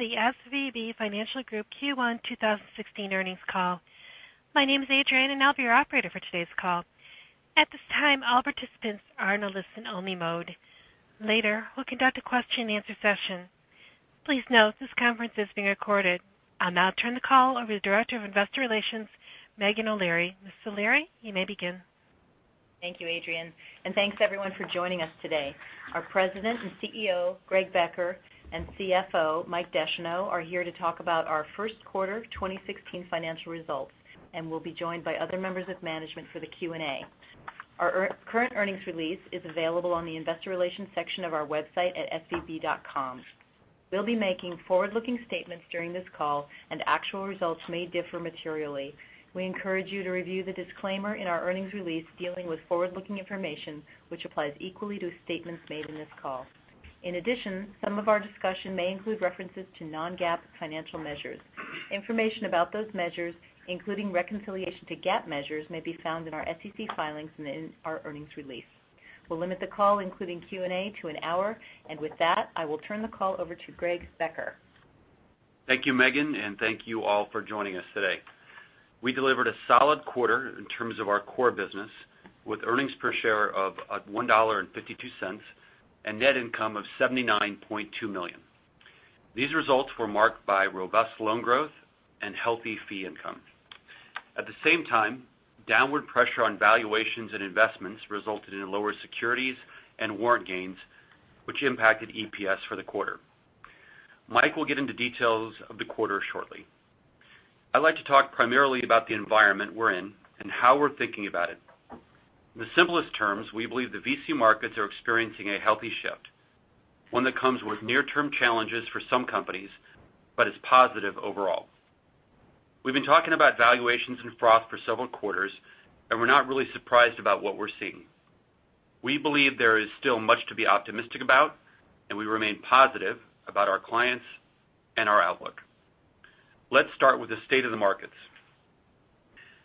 Welcome to the SVB Financial Group Q1 2016 earnings call. My name is Adrienne, and I'll be your operator for today's call. At this time, all participants are in a listen-only mode. Later, we'll conduct a question and answer session. Please note this conference is being recorded. I'll now turn the call over to Director of Investor Relations, Meghan O'Leary. Ms. O'Leary, you may begin. Thank you, Adrienne, and thanks everyone for joining us today. Our President and CEO, Greg Becker, and CFO, Michael Descheneaux, are here to talk about our first quarter 2016 financial results and will be joined by other members of management for the Q&A. Our current earnings release is available on the investor relations section of our website at svb.com. We'll be making forward-looking statements during this call, and actual results may differ materially. We encourage you to review the disclaimer in our earnings release dealing with forward-looking information, which applies equally to statements made in this call. In addition, some of our discussion may include references to non-GAAP financial measures. Information about those measures, including reconciliation to GAAP measures, may be found in our SEC filings and in our earnings release. We'll limit the call, including Q&A, to an hour. With that, I will turn the call over to Greg Becker. Thank you, Meghan, and thank you all for joining us today. We delivered a solid quarter in terms of our core business with earnings per share of $1.52 and net income of $79.2 million. These results were marked by robust loan growth and healthy fee income. At the same time, downward pressure on valuations and investments resulted in lower securities and warrant gains, which impacted EPS for the quarter. Mike will get into details of the quarter shortly. I'd like to talk primarily about the environment we're in and how we're thinking about it. In the simplest terms, we believe the VC markets are experiencing a healthy shift, one that comes with near-term challenges for some companies but is positive overall. We've been talking about valuations and froth for several quarters, and we're not really surprised about what we're seeing. We believe there is still much to be optimistic about. We remain positive about our clients and our outlook. Let's start with the state of the markets.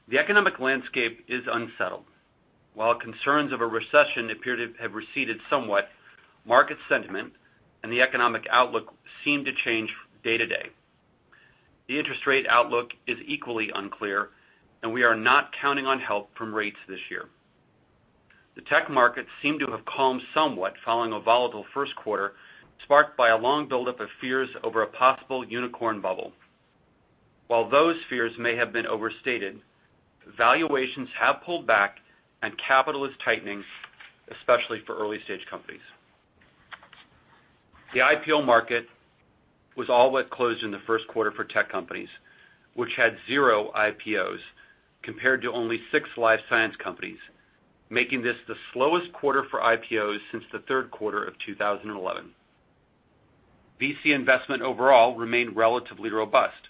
The economic landscape is unsettled. While concerns of a recession appear to have receded somewhat, market sentiment and the economic outlook seem to change day to day. The interest rate outlook is equally unclear. We are not counting on help from rates this year. The tech markets seem to have calmed somewhat following a volatile first quarter, sparked by a long buildup of fears over a possible unicorn bubble. While those fears may have been overstated, valuations have pulled back, and capital is tightening, especially for early-stage companies. The IPO market was all but closed in the first quarter for tech companies, which had zero IPOs compared to only six life science companies, making this the slowest quarter for IPOs since the third quarter of 2011. VC investment overall remained relatively robust,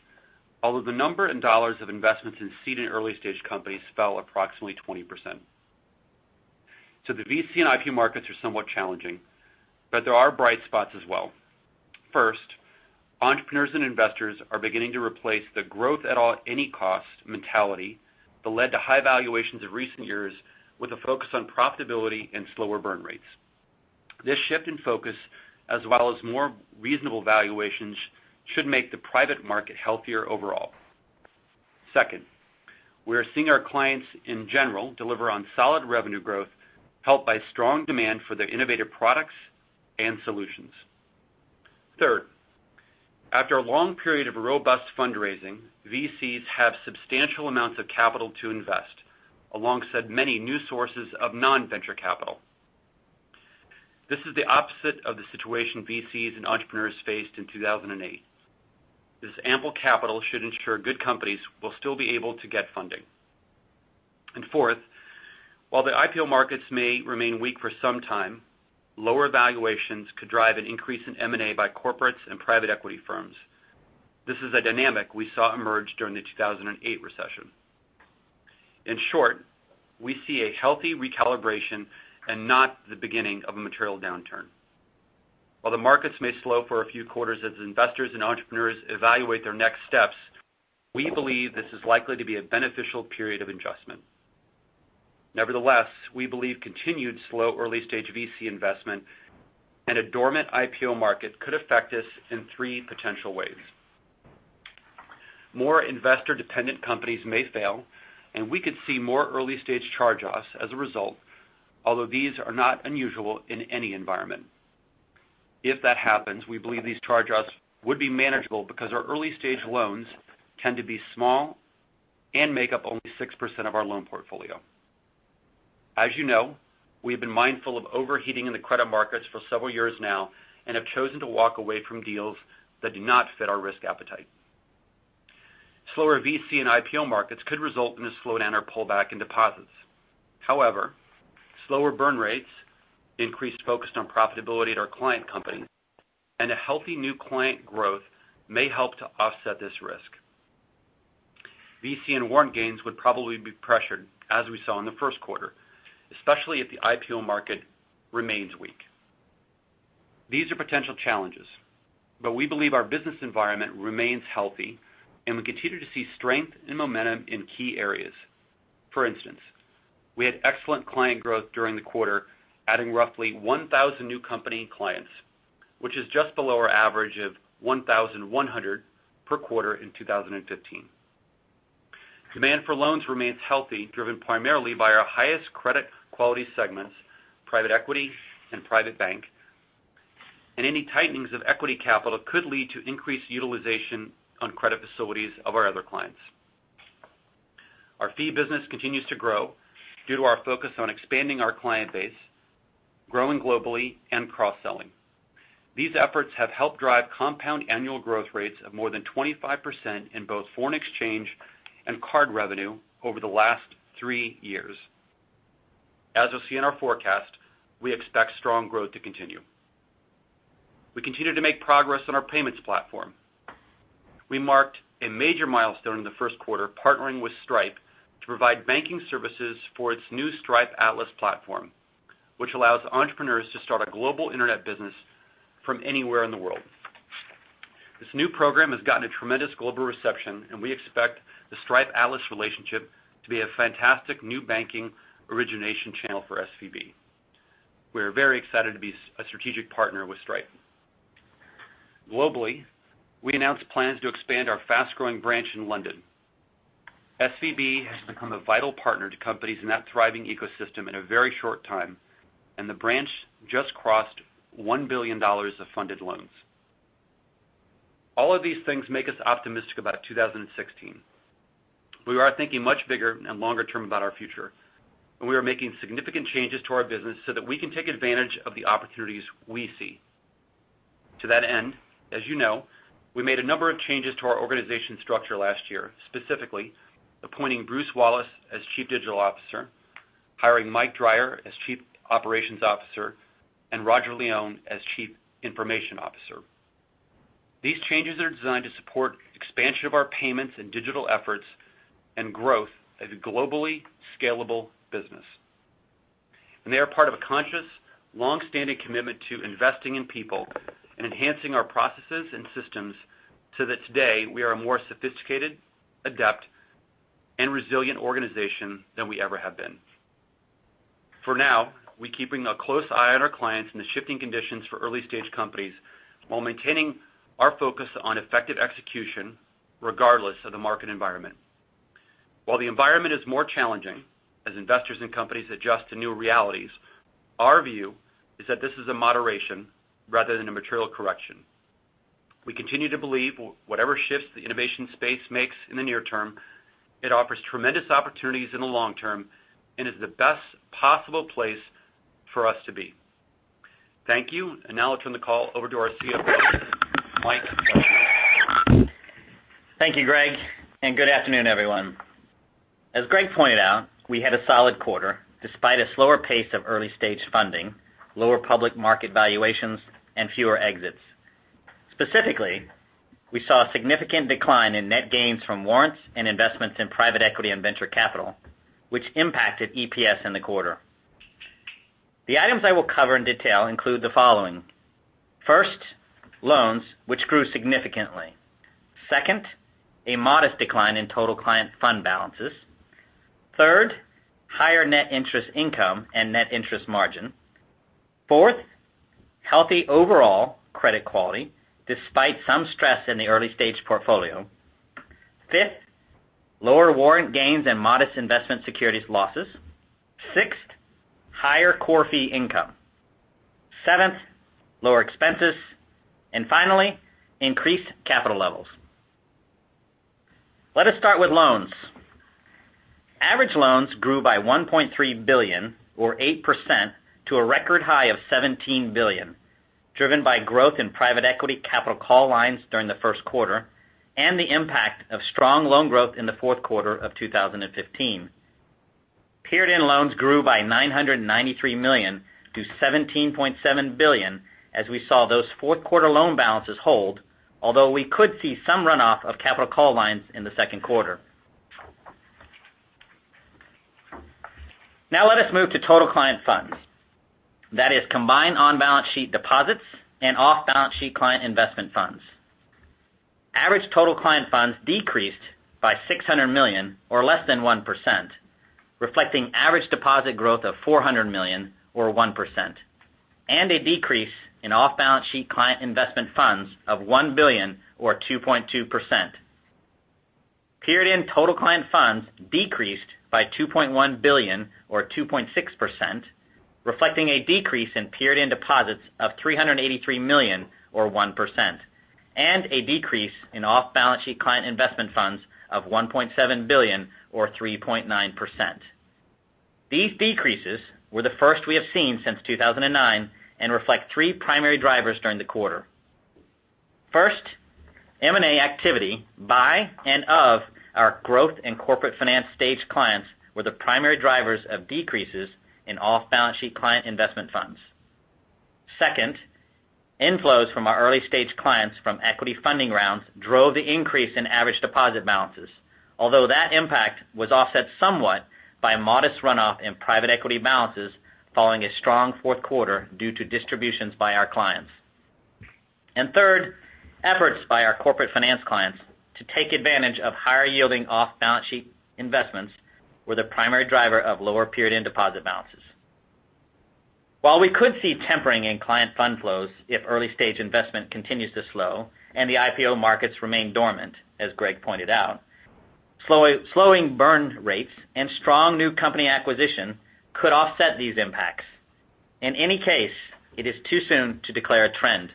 although the number in dollars of investments in seed and early-stage companies fell approximately 20%. The VC and IPO markets are somewhat challenging, but there are bright spots as well. First, entrepreneurs and investors are beginning to replace the growth at any cost mentality that led to high valuations of recent years with a focus on profitability and slower burn rates. This shift in focus, as well as more reasonable valuations, should make the private market healthier overall. Second, we are seeing our clients in general deliver on solid revenue growth, helped by strong demand for their innovative products and solutions. Third, after a long period of robust fundraising, VCs have substantial amounts of capital to invest, alongside many new sources of non-venture capital. This is the opposite of the situation VCs and entrepreneurs faced in 2008. This ample capital should ensure good companies will still be able to get funding. Fourth, while the IPO markets may remain weak for some time, lower valuations could drive an increase in M&A by corporates and private equity firms. This is a dynamic we saw emerge during the 2008 recession. In short, we see a healthy recalibration and not the beginning of a material downturn. While the markets may slow for a few quarters as investors and entrepreneurs evaluate their next steps, we believe this is likely to be a beneficial period of adjustment. Nevertheless, we believe continued slow early-stage VC investment and a dormant IPO market could affect us in three potential ways. More investor-dependent companies may fail. We could see more early-stage charge-offs as a result, although these are not unusual in any environment. If that happens, we believe these charge-offs would be manageable because our early-stage loans tend to be small and make up only 6% of our loan portfolio. As you know, we have been mindful of overheating in the credit markets for several years now and have chosen to walk away from deals that do not fit our risk appetite. Slower VC and IPO markets could result in a slowdown or pullback in deposits. Slower burn rates, increased focus on profitability at our client companies, and a healthy new client growth may help to offset this risk. VC and warrant gains would probably be pressured, as we saw in the first quarter, especially if the IPO market remains weak. These are potential challenges, but we believe our business environment remains healthy, and we continue to see strength and momentum in key areas. For instance, we had excellent client growth during the quarter, adding roughly 1,000 new company clients, which is just below our average of 1,100 per quarter in 2015. Demand for loans remains healthy, driven primarily by our highest credit quality segments, private equity and private bank, and any tightenings of equity capital could lead to increased utilization on credit facilities of our other clients. Our fee business continues to grow due to our focus on expanding our client base, growing globally, and cross-selling. These efforts have helped drive compound annual growth rates of more than 25% in both foreign exchange and card revenue over the last three years. As you'll see in our forecast, we expect strong growth to continue. We continue to make progress on our payments platform. We marked a major milestone in the first quarter, partnering with Stripe to provide banking services for its new Stripe Atlas platform, which allows entrepreneurs to start a global internet business from anywhere in the world. This new program has gotten a tremendous global reception, and we expect the Stripe Atlas relationship to be a fantastic new banking origination channel for SVB. We are very excited to be a strategic partner with Stripe. Globally, we announced plans to expand our fast-growing branch in London. SVB has become a vital partner to companies in that thriving ecosystem in a very short time, and the branch just crossed $1 billion of funded loans. All of these things make us optimistic about 2016. We are thinking much bigger and longer term about our future, and we are making significant changes to our business so that we can take advantage of the opportunities we see. To that end, as you know, we made a number of changes to our organization structure last year, specifically appointing Bruce Wallace as Chief Digital Officer, hiring Mike Dreyer as Chief Operations Officer, and Roger Leone as Chief Information Officer. These changes are designed to support expansion of our payments and digital efforts and growth as a globally scalable business. They are part of a conscious, long-standing commitment to investing in people and enhancing our processes and systems so that today we are a more sophisticated, adept, and resilient organization than we ever have been. For now, we're keeping a close eye on our clients and the shifting conditions for early-stage companies while maintaining our focus on effective execution regardless of the market environment. While the environment is more challenging as investors and companies adjust to new realities, our view is that this is a moderation rather than a material correction. We continue to believe whatever shifts the innovation space makes in the near term, it offers tremendous opportunities in the long term and is the best possible place for us to be. Thank you. Now I'll turn the call over to our CFO, Mike Descheneaux. Thank you, Greg, and good afternoon, everyone. As Greg pointed out, we had a solid quarter despite a slower pace of early-stage funding, lower public market valuations, and fewer exits. Specifically, we saw a significant decline in net gains from warrants and investments in private equity and venture capital, which impacted EPS in the quarter. The items I will cover in detail include the following. First, loans, which grew significantly. Second, a modest decline in total client fund balances. Third, higher net interest income and net interest margin. Fourth, healthy overall credit quality despite some stress in the early-stage portfolio. Fifth, lower warrant gains and modest investment securities losses. Sixth, higher core fee income. Seventh, lower expenses. Finally, increased capital levels. Let us start with loans. Average loans grew by $1.3 billion or 8% to a record high of $17 billion, driven by growth in private equity capital call lines during the first quarter and the impact of strong loan growth in the fourth quarter of 2015. Period-end loans grew by $993 million to $17.7 billion as we saw those fourth quarter loan balances hold, although we could see some runoff of capital call lines in the second quarter. Let us move to total client funds. That is combined on-balance-sheet deposits and off-balance-sheet client investment funds. Average total client funds decreased by $600 million or less than 1%, reflecting average deposit growth of $400 million or 1%, and a decrease in off-balance-sheet client investment funds of $1 billion or 2.2%. Period-end total client funds decreased by $2.1 billion or 2.6%, reflecting a decrease in period-end deposits of $383 million or 1%, and a decrease in off-balance-sheet client investment funds of $1.7 billion or 3.9%. These decreases were the first we have seen since 2009 and reflect three primary drivers during the quarter. First, M&A activity by and of our growth and corporate finance stage clients were the primary drivers of decreases in off-balance-sheet client investment funds. Second, inflows from our early-stage clients from equity funding rounds drove the increase in average deposit balances. Although that impact was offset somewhat by a modest runoff in private equity balances following a strong fourth quarter due to distributions by our clients. Third, efforts by our corporate finance clients to take advantage of higher yielding off-balance-sheet investments were the primary driver of lower period-end deposit balances. While we could see tempering in client fund flows if early-stage investment continues to slow and the IPO markets remain dormant, as Greg pointed out, slowing burn rates and strong new company acquisition could offset these impacts. In any case, it is too soon to declare a trend.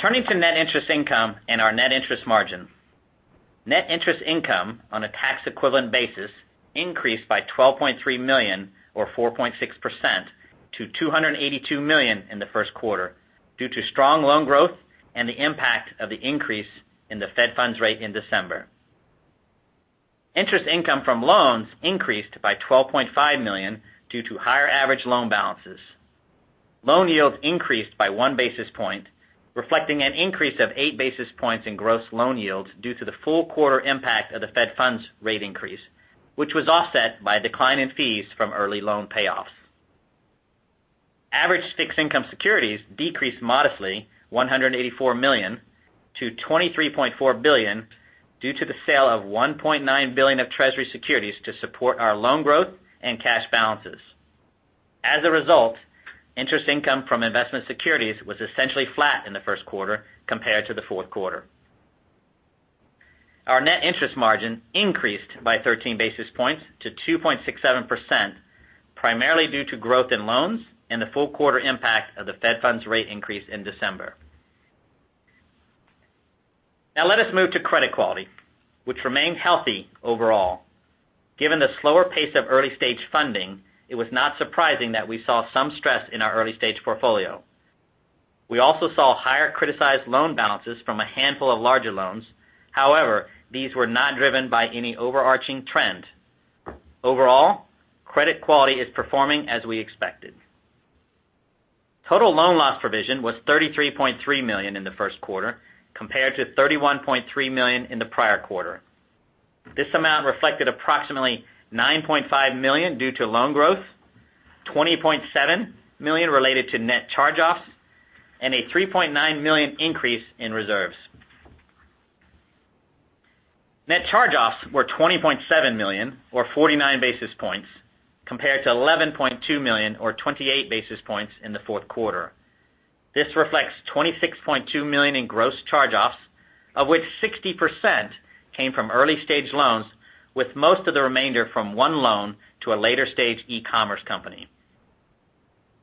Turning to net interest income and our net interest margin. Net interest income on a tax-equivalent basis increased by $12.3 million or 4.6% to $282 million in the first quarter due to strong loan growth and the impact of the increase in the Fed funds rate in December. Interest income from loans increased by $12.5 million due to higher average loan balances. Loan yields increased by one basis point, reflecting an increase of eight basis points in gross loan yields due to the full quarter impact of the Fed funds rate increase, which was offset by a decline in fees from early loan payoffs. Average fixed income securities decreased modestly, $184 million to $23.4 billion due to the sale of $1.9 billion of Treasury securities to support our loan growth and cash balances. As a result, interest income from investment securities was essentially flat in the first quarter compared to the fourth quarter. Our net interest margin increased by 13 basis points to 2.67%, primarily due to growth in loans and the full quarter impact of the Fed funds rate increase in December. Let us move to credit quality, which remained healthy overall. Given the slower pace of early-stage funding, it was not surprising that we saw some stress in our early-stage portfolio. We also saw higher criticized loan balances from a handful of larger loans. These were not driven by any overarching trend. Overall, credit quality is performing as we expected. Total loan loss provision was $33.3 million in the first quarter, compared to $31.3 million in the prior quarter. This amount reflected approximately $9.5 million due to loan growth, $20.7 million related to net charge-offs, and a $3.9 million increase in reserves. Net charge-offs were $20.7 million or 49 basis points compared to $11.2 million or 28 basis points in the fourth quarter. This reflects $26.2 million in gross charge-offs, of which 60% came from early-stage loans, with most of the remainder from one loan to a later stage e-commerce company.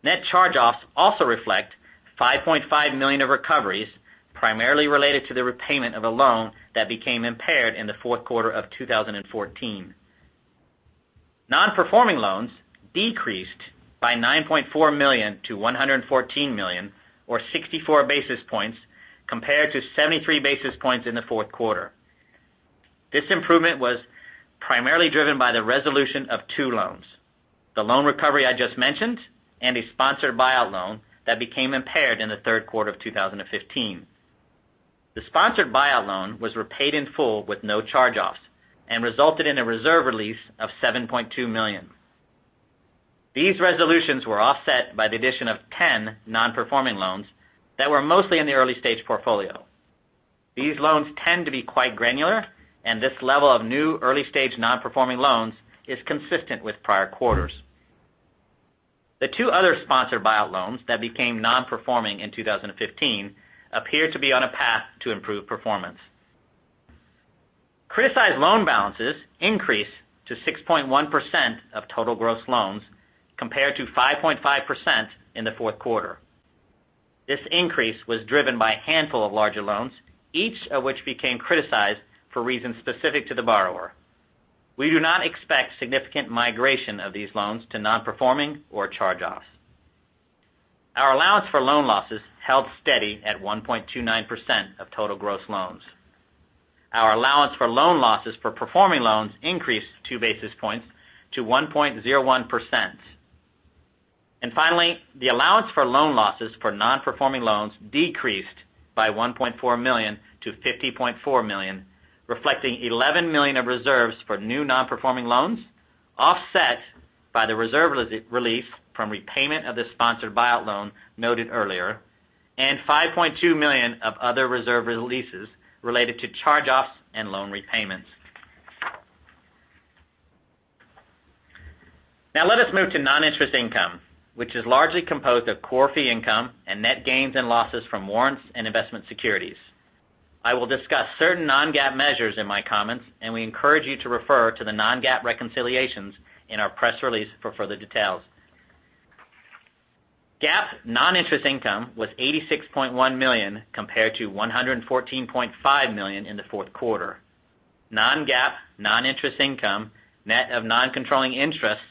Net charge-offs also reflect $5.5 million of recoveries primarily related to the repayment of a loan that became impaired in the fourth quarter of 2014. Non-performing loans decreased by $9.4 million to $114 million, or 64 basis points compared to 73 basis points in the fourth quarter. This improvement was primarily driven by the resolution of two loans. The loan recovery I just mentioned and a sponsored buyout loan that became impaired in the third quarter of 2015. The sponsored buyout loan was repaid in full with no charge-offs and resulted in a reserve release of $7.2 million. These resolutions were offset by the addition of 10 non-performing loans that were mostly in the early-stage portfolio. These loans tend to be quite granular, and this level of new early-stage non-performing loans is consistent with prior quarters. The two other sponsored buyout loans that became non-performing in 2015 appear to be on a path to improved performance. Criticized loan balances increased to 6.1% of total gross loans, compared to 5.5% in the fourth quarter. This increase was driven by a handful of larger loans, each of which became criticized for reasons specific to the borrower. We do not expect significant migration of these loans to non-performing or charge-offs. Our allowance for loan losses held steady at 1.29% of total gross loans. Our allowance for loan losses for performing loans increased two basis points to 1.01%. Finally, the allowance for loan losses for non-performing loans decreased by $1.4 million to $50.4 million, reflecting $11 million of reserves for new non-performing loans, offset by the reserve relief from repayment of the sponsored buyout loan noted earlier, and $5.2 million of other reserve releases related to charge-offs and loan repayments. Let us move to non-interest income, which is largely composed of core fee income and net gains and losses from warrants and investment securities. I will discuss certain non-GAAP measures in my comments, and we encourage you to refer to the non-GAAP reconciliations in our press release for further details. GAAP non-interest income was $86.1 million, compared to $114.5 million in the fourth quarter. Non-GAAP non-interest income, net of non-controlling interests,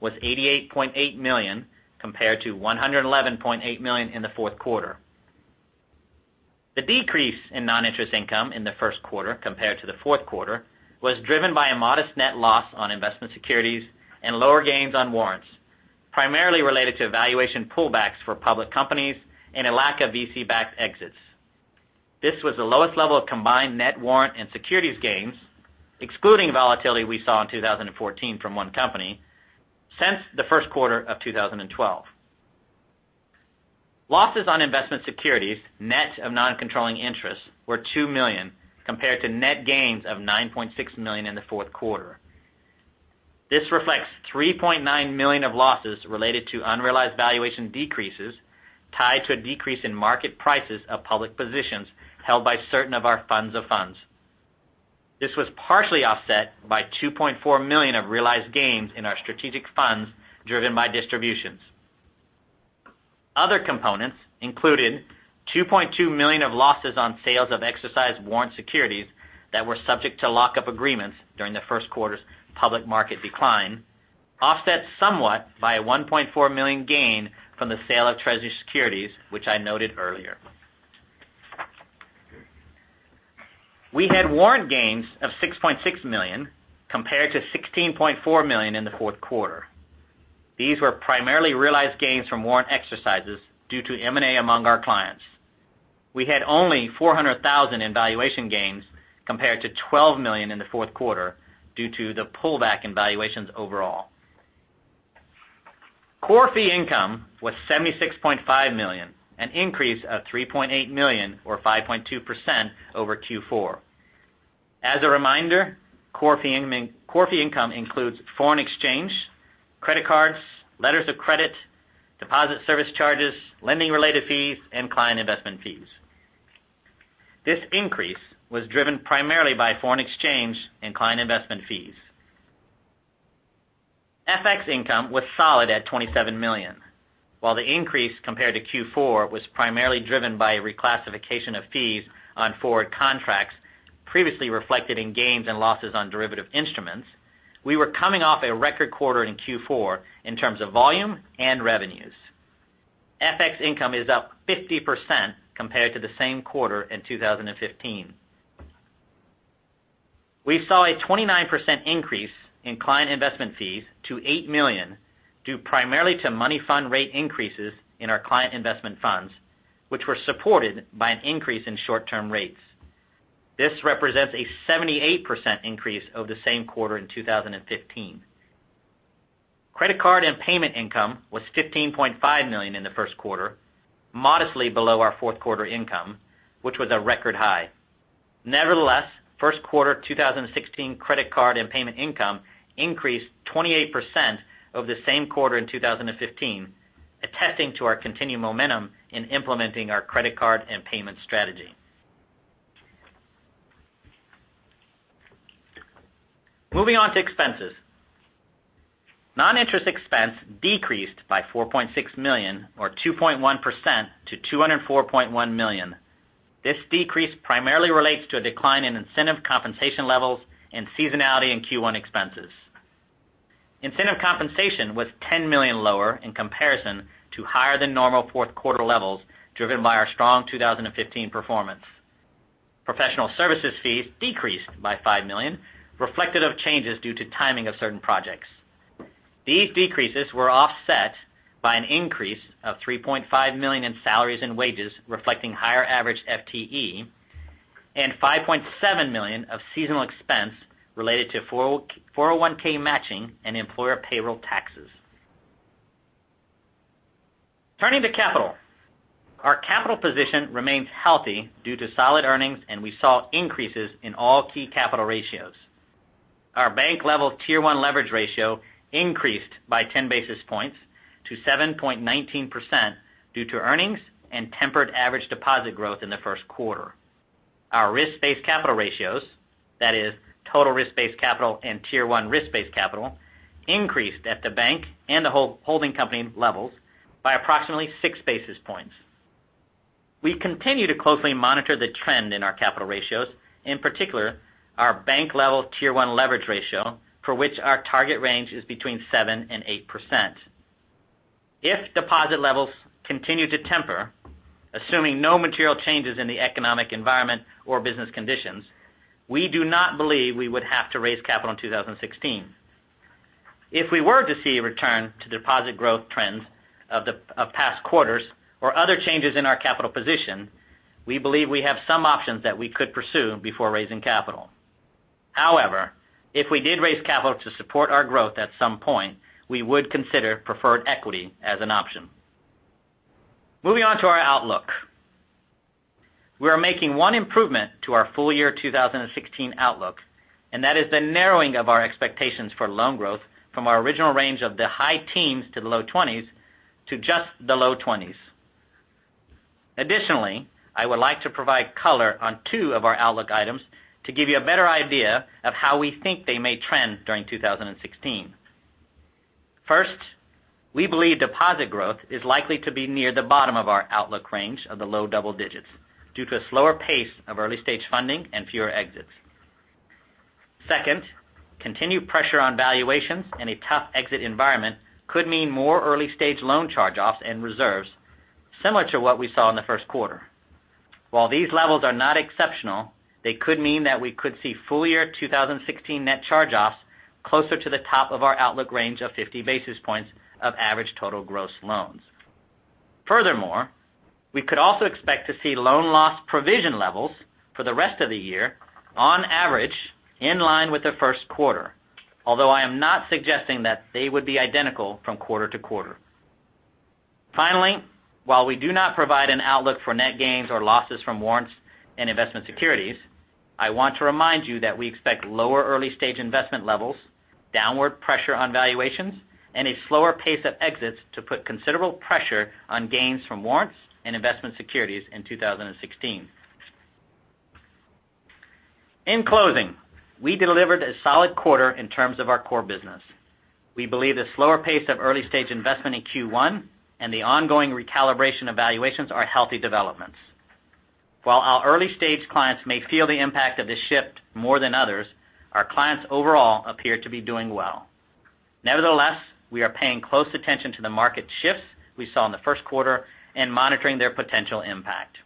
was $88.8 million, compared to $111.8 million in the fourth quarter. The decrease in non-interest income in the first quarter compared to the fourth quarter was driven by a modest net loss on investment securities and lower gains on warrants, primarily related to valuation pullbacks for public companies and a lack of VC-backed exits. This was the lowest level of combined net warrant and securities gains, excluding volatility we saw in 2014 from one company, since the first quarter of 2012. Losses on investment securities, net of non-controlling interest, were $2 million, compared to net gains of $9.6 million in the fourth quarter. This reflects $3.9 million of losses related to unrealized valuation decreases tied to a decrease in market prices of public positions held by certain of our funds of funds. This was partially offset by $2.4 million of realized gains in our strategic funds driven by distributions. Other components included $2.2 million of losses on sales of exercised warrant securities that were subject to lock-up agreements during the first quarter's public market decline, offset somewhat by a $1.4 million gain from the sale of Treasury securities, which I noted earlier. We had warrant gains of $6.6 million, compared to $16.4 million in the fourth quarter. These were primarily realized gains from warrant exercises due to M&A among our clients. We had only $400,000 in valuation gains compared to $12 million in the fourth quarter due to the pullback in valuations overall. Core fee income was $76.5 million, an increase of $3.8 million or 5.2% over Q4. As a reminder, core fee income includes foreign exchange, credit cards, letters of credit, deposit service charges, lending-related fees, and client investment fees. This increase was driven primarily by foreign exchange and client investment fees. FX income was solid at $27 million. While the increase compared to Q4 was primarily driven by a reclassification of fees on forward contracts previously reflected in gains and losses on derivative instruments, we were coming off a record quarter in Q4 in terms of volume and revenues. FX income is up 50% compared to the same quarter in 2015. We saw a 29% increase in client investment fees to $8 million, due primarily to money fund rate increases in our client investment funds, which were supported by an increase in short-term rates. This represents a 78% increase over the same quarter in 2015. Credit card and payment income was $15.5 million in the first quarter, modestly below our fourth quarter income, which was a record high. Nevertheless, first quarter 2016 credit card and payment income increased 28% over the same quarter in 2015, attesting to our continued momentum in implementing our credit card and payment strategy. Moving on to expenses. Non-interest expense decreased by $4.6 million or 2.1% to $204.1 million. This decrease primarily relates to a decline in incentive compensation levels and seasonality in Q1 expenses. Incentive compensation was $10 million lower in comparison to higher than normal fourth quarter levels driven by our strong 2015 performance. Professional services fees decreased by $5 million, reflective of changes due to timing of certain projects. These decreases were offset by an increase of $3.5 million in salaries and wages reflecting higher average FTE and $5.7 million of seasonal expense related to 401 matching and employer payroll taxes. Turning to capital. Our capital position remains healthy due to solid earnings. We saw increases in all key capital ratios. Our bank-level Tier 1 leverage ratio increased by 10 basis points to 7.19% due to earnings and tempered average deposit growth in the first quarter. Our risk-based capital ratios, that is total risk-based capital and Tier 1 risk-based capital, increased at the bank and the holding company levels by approximately six basis points. We continue to closely monitor the trend in our capital ratios, in particular, our bank-level Tier 1 leverage ratio, for which our target range is between 7% and 8%. If deposit levels continue to temper, assuming no material changes in the economic environment or business conditions, we do not believe we would have to raise capital in 2016. If we were to see a return to deposit growth trends of past quarters or other changes in our capital position, we believe we have some options that we could pursue before raising capital. However, if we did raise capital to support our growth at some point, we would consider preferred equity as an option. Moving on to our outlook. We are making one improvement to our full year 2016 outlook. That is the narrowing of our expectations for loan growth from our original range of the high teens to the low 20s to just the low 20s. Additionally, I would like to provide color on two of our outlook items to give you a better idea of how we think they may trend during 2016. First, we believe deposit growth is likely to be near the bottom of our outlook range of the low double digits due to a slower pace of early-stage funding and fewer exits. Second, continued pressure on valuations and a tough exit environment could mean more early-stage loan charge-offs and reserves similar to what we saw in the first quarter. While these levels are not exceptional, they could mean that we could see full-year 2016 net charge-offs closer to the top of our outlook range of 50 basis points of average total gross loans. Furthermore, we could also expect to see loan loss provision levels for the rest of the year, on average, in line with the first quarter, although I am not suggesting that they would be identical from quarter to quarter. Finally, while we do not provide an outlook for net gains or losses from warrants and investment securities, I want to remind you that we expect lower early-stage investment levels, downward pressure on valuations, and a slower pace of exits to put considerable pressure on gains from warrants and investment securities in 2016. In closing, we delivered a solid quarter in terms of our core business. We believe the slower pace of early-stage investment in Q1 and the ongoing recalibration of valuations are healthy developments. While our early-stage clients may feel the impact of this shift more than others, our clients overall appear to be doing well. Nevertheless, we are paying close attention to the market shifts we saw in the first quarter and monitoring their potential impact.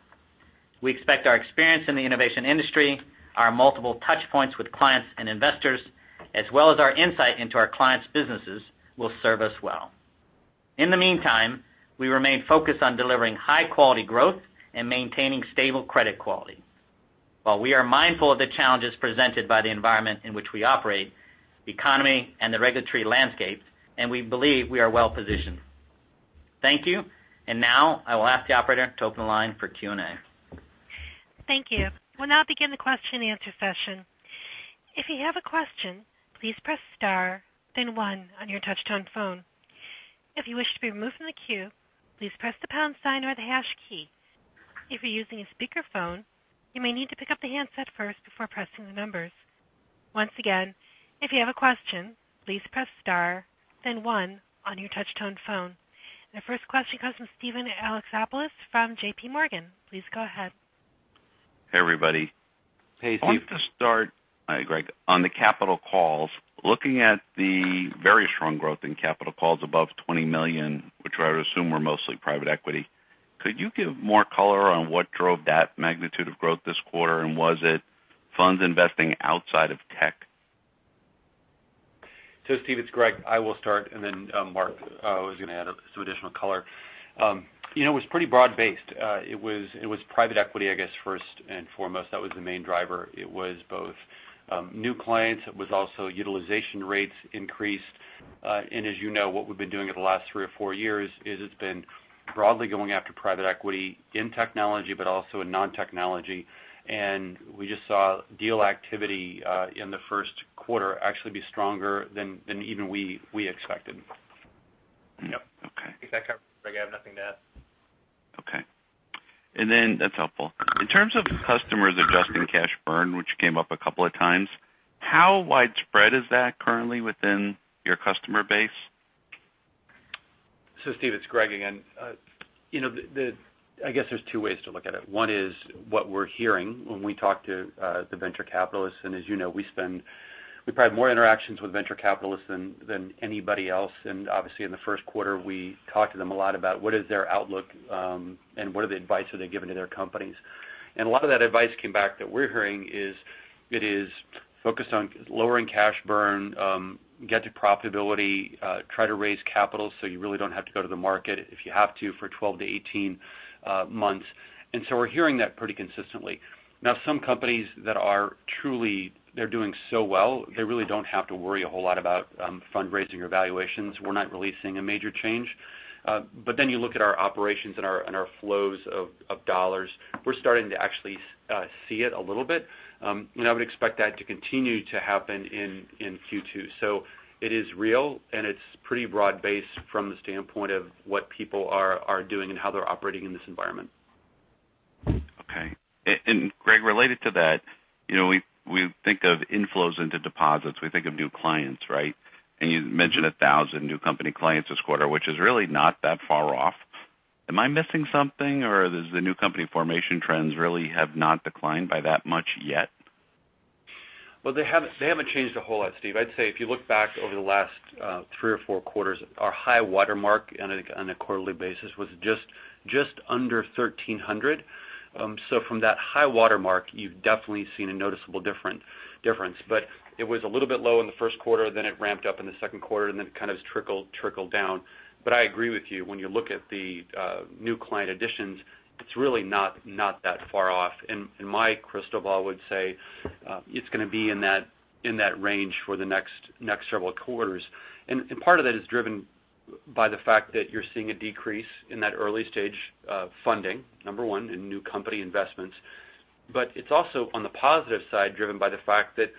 We expect our experience in the innovation industry, our multiple touchpoints with clients and investors, as well as our insight into our clients' businesses will serve us well. In the meantime, we remain focused on delivering high-quality growth and maintaining stable credit quality. While we are mindful of the challenges presented by the environment in which we operate, the economy and the regulatory landscape, and we believe we are well-positioned. Thank you. Now I will ask the operator to open the line for Q&A. Thank you. We'll now begin the question and answer session. If you have a question, please press star then one on your touch-tone phone. If you wish to be removed from the queue, please press the pound sign or the hash key. If you're using a speakerphone, you may need to pick up the handset first before pressing the numbers. Once again, if you have a question, please press star then one on your touch-tone phone. The first question comes from Steven Alexopoulos from JPMorgan. Please go ahead. Hey, everybody. Hey, Steve. I want to start, hi Greg, on the capital calls. Looking at the very strong growth in capital calls above $20 million, which I would assume were mostly private equity, could you give more color on what drove that magnitude of growth this quarter, and was it funds investing outside of tech? Steve, it's Greg. I will start and then Marc was going to add some additional color. It was pretty broad-based. It was private equity, I guess first and foremost. That was the main driver. It was both new clients. It was also utilization rates increased. As you know, what we've been doing over the last three or four years is it's been broadly going after private equity in technology but also in non-technology. We just saw deal activity in the first quarter actually be stronger than even we expected. Yep. Okay. Exactly. Greg, I have nothing to add. Okay. That's helpful. In terms of customers adjusting cash burn, which came up a couple of times, how widespread is that currently within your customer base? Steve, it's Greg again. I guess there's two ways to look at it. One is what we're hearing when we talk to the venture capitalists, as you know, we probably have more interactions with venture capitalists than anybody else. Obviously in the first quarter, we talked to them a lot about what is their outlook, and what are the advice that they're given to their companies. A lot of that advice came back that we're hearing is it is focused on lowering cash burn, get to profitability, try to raise capital so you really don't have to go to the market if you have to for 12-18 months. We're hearing that pretty consistently. Now, some companies that are doing so well, they really don't have to worry a whole lot about fundraising or valuations. We're not really seeing a major change. You look at our operations and our flows of dollars. We're starting to actually see it a little bit. I would expect that to continue to happen in Q2. It is real, and it's pretty broad-based from the standpoint of what people are doing and how they're operating in this environment. Okay. Greg, related to that, we think of inflows into deposits. We think of new clients, right? You mentioned 1,000 new company clients this quarter, which is really not that far off. Am I missing something, or does the new company formation trends really have not declined by that much yet? They haven't changed a whole lot, Steve. I'd say if you look back over the last three or four quarters, our high watermark on a quarterly basis was just under 1,300. From that high watermark, you've definitely seen a noticeable difference. It was a little bit low in the first quarter, it ramped up in the second quarter, it kind of trickled down. I agree with you. When you look at the new client additions, it's really not that far off. My crystal ball would say it's going to be in that range for the next several quarters. Part of that is driven by the fact that you're seeing a decrease in that early stage of funding, number one, in new company investments. It's also, on the positive side, driven by the fact that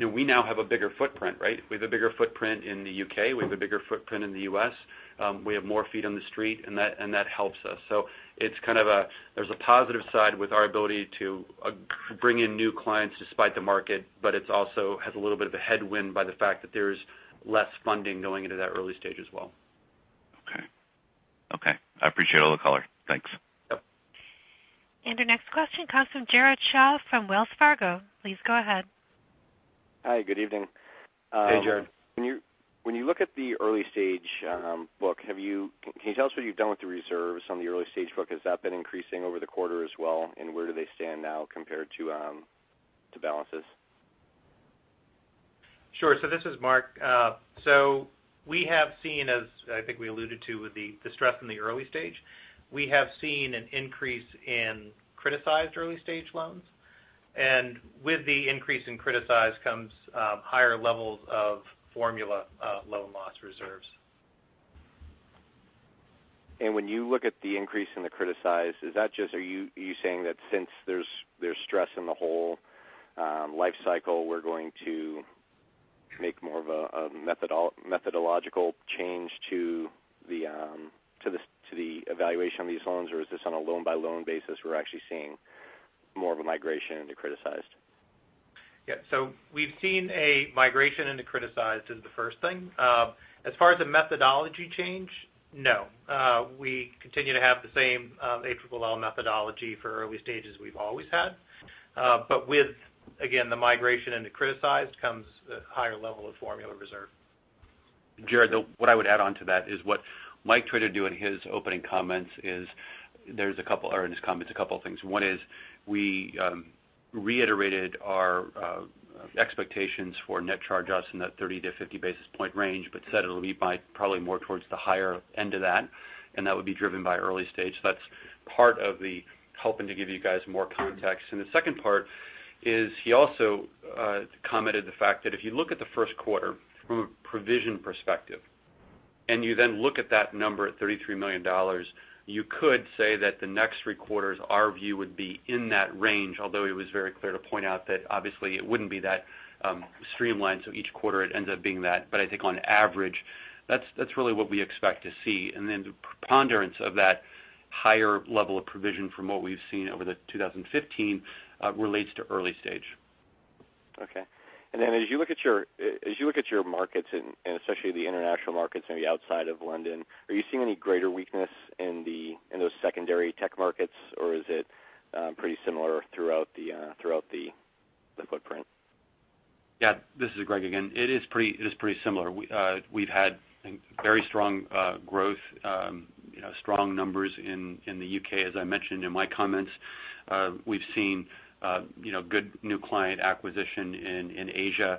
we now have a bigger footprint, right? We have a bigger footprint in the U.K. We have a bigger footprint in the U.S. We have more feet on the street, that helps us. There's a positive side with our ability to bring in new clients despite the market, it also has a little bit of a headwind by the fact that there's less funding going into that early stage as well. Okay. I appreciate all the color. Thanks. Yep. Our next question comes from Jared Shaw from Wells Fargo. Please go ahead. Hi, good evening. Hey, Jared. When you look at the early stage book, can you tell us what you've done with the reserves on the early stage book? Has that been increasing over the quarter as well, and where do they stand now compared to balances? Sure. This is Marc. We have seen as, I think we alluded to with the stress in the early stage, we have seen an increase in criticized early-stage loans. With the increase in criticized comes higher levels of formula loan loss reserves. When you look at the increase in the criticized, are you saying that since there's stress in the whole life cycle, we're going to make more of a methodological change to the evaluation of these loans? Or is this on a loan-by-loan basis, we're actually seeing more of a migration into criticized? We've seen a migration into criticized is the first thing. As far as a methodology change, no. We continue to have the same ALLL methodology for early stages we've always had. With, again, the migration into criticized comes the higher level of formula reserve. Jared, what I would add onto that is what Mike tried to do in his opening comments, a couple of things. One is we reiterated our expectations for net charge-offs in that 30-50 basis point range, but said it'll be by probably more towards the higher end of that, and that would be driven by early stage. That's part of the helping to give you guys more context. The second part is he also commented the fact that if you look at the first quarter from a provision perspective, and you then look at that number at $33 million, you could say that the next three quarters, our view would be in that range. He was very clear to point out that obviously it wouldn't be that streamlined, so each quarter it ends up being that. I think on average, that's really what we expect to see. The preponderance of that higher level of provision from what we've seen over the 2015, relates to early stage. Okay. Then as you look at your markets and especially the international markets maybe outside of London, are you seeing any greater weakness in those secondary tech markets, or is it pretty similar throughout the footprint? Yeah. This is Greg again. It is pretty similar. We've had very strong growth, strong numbers in the U.K., as I mentioned in my comments. We've seen good new client acquisition in Asia.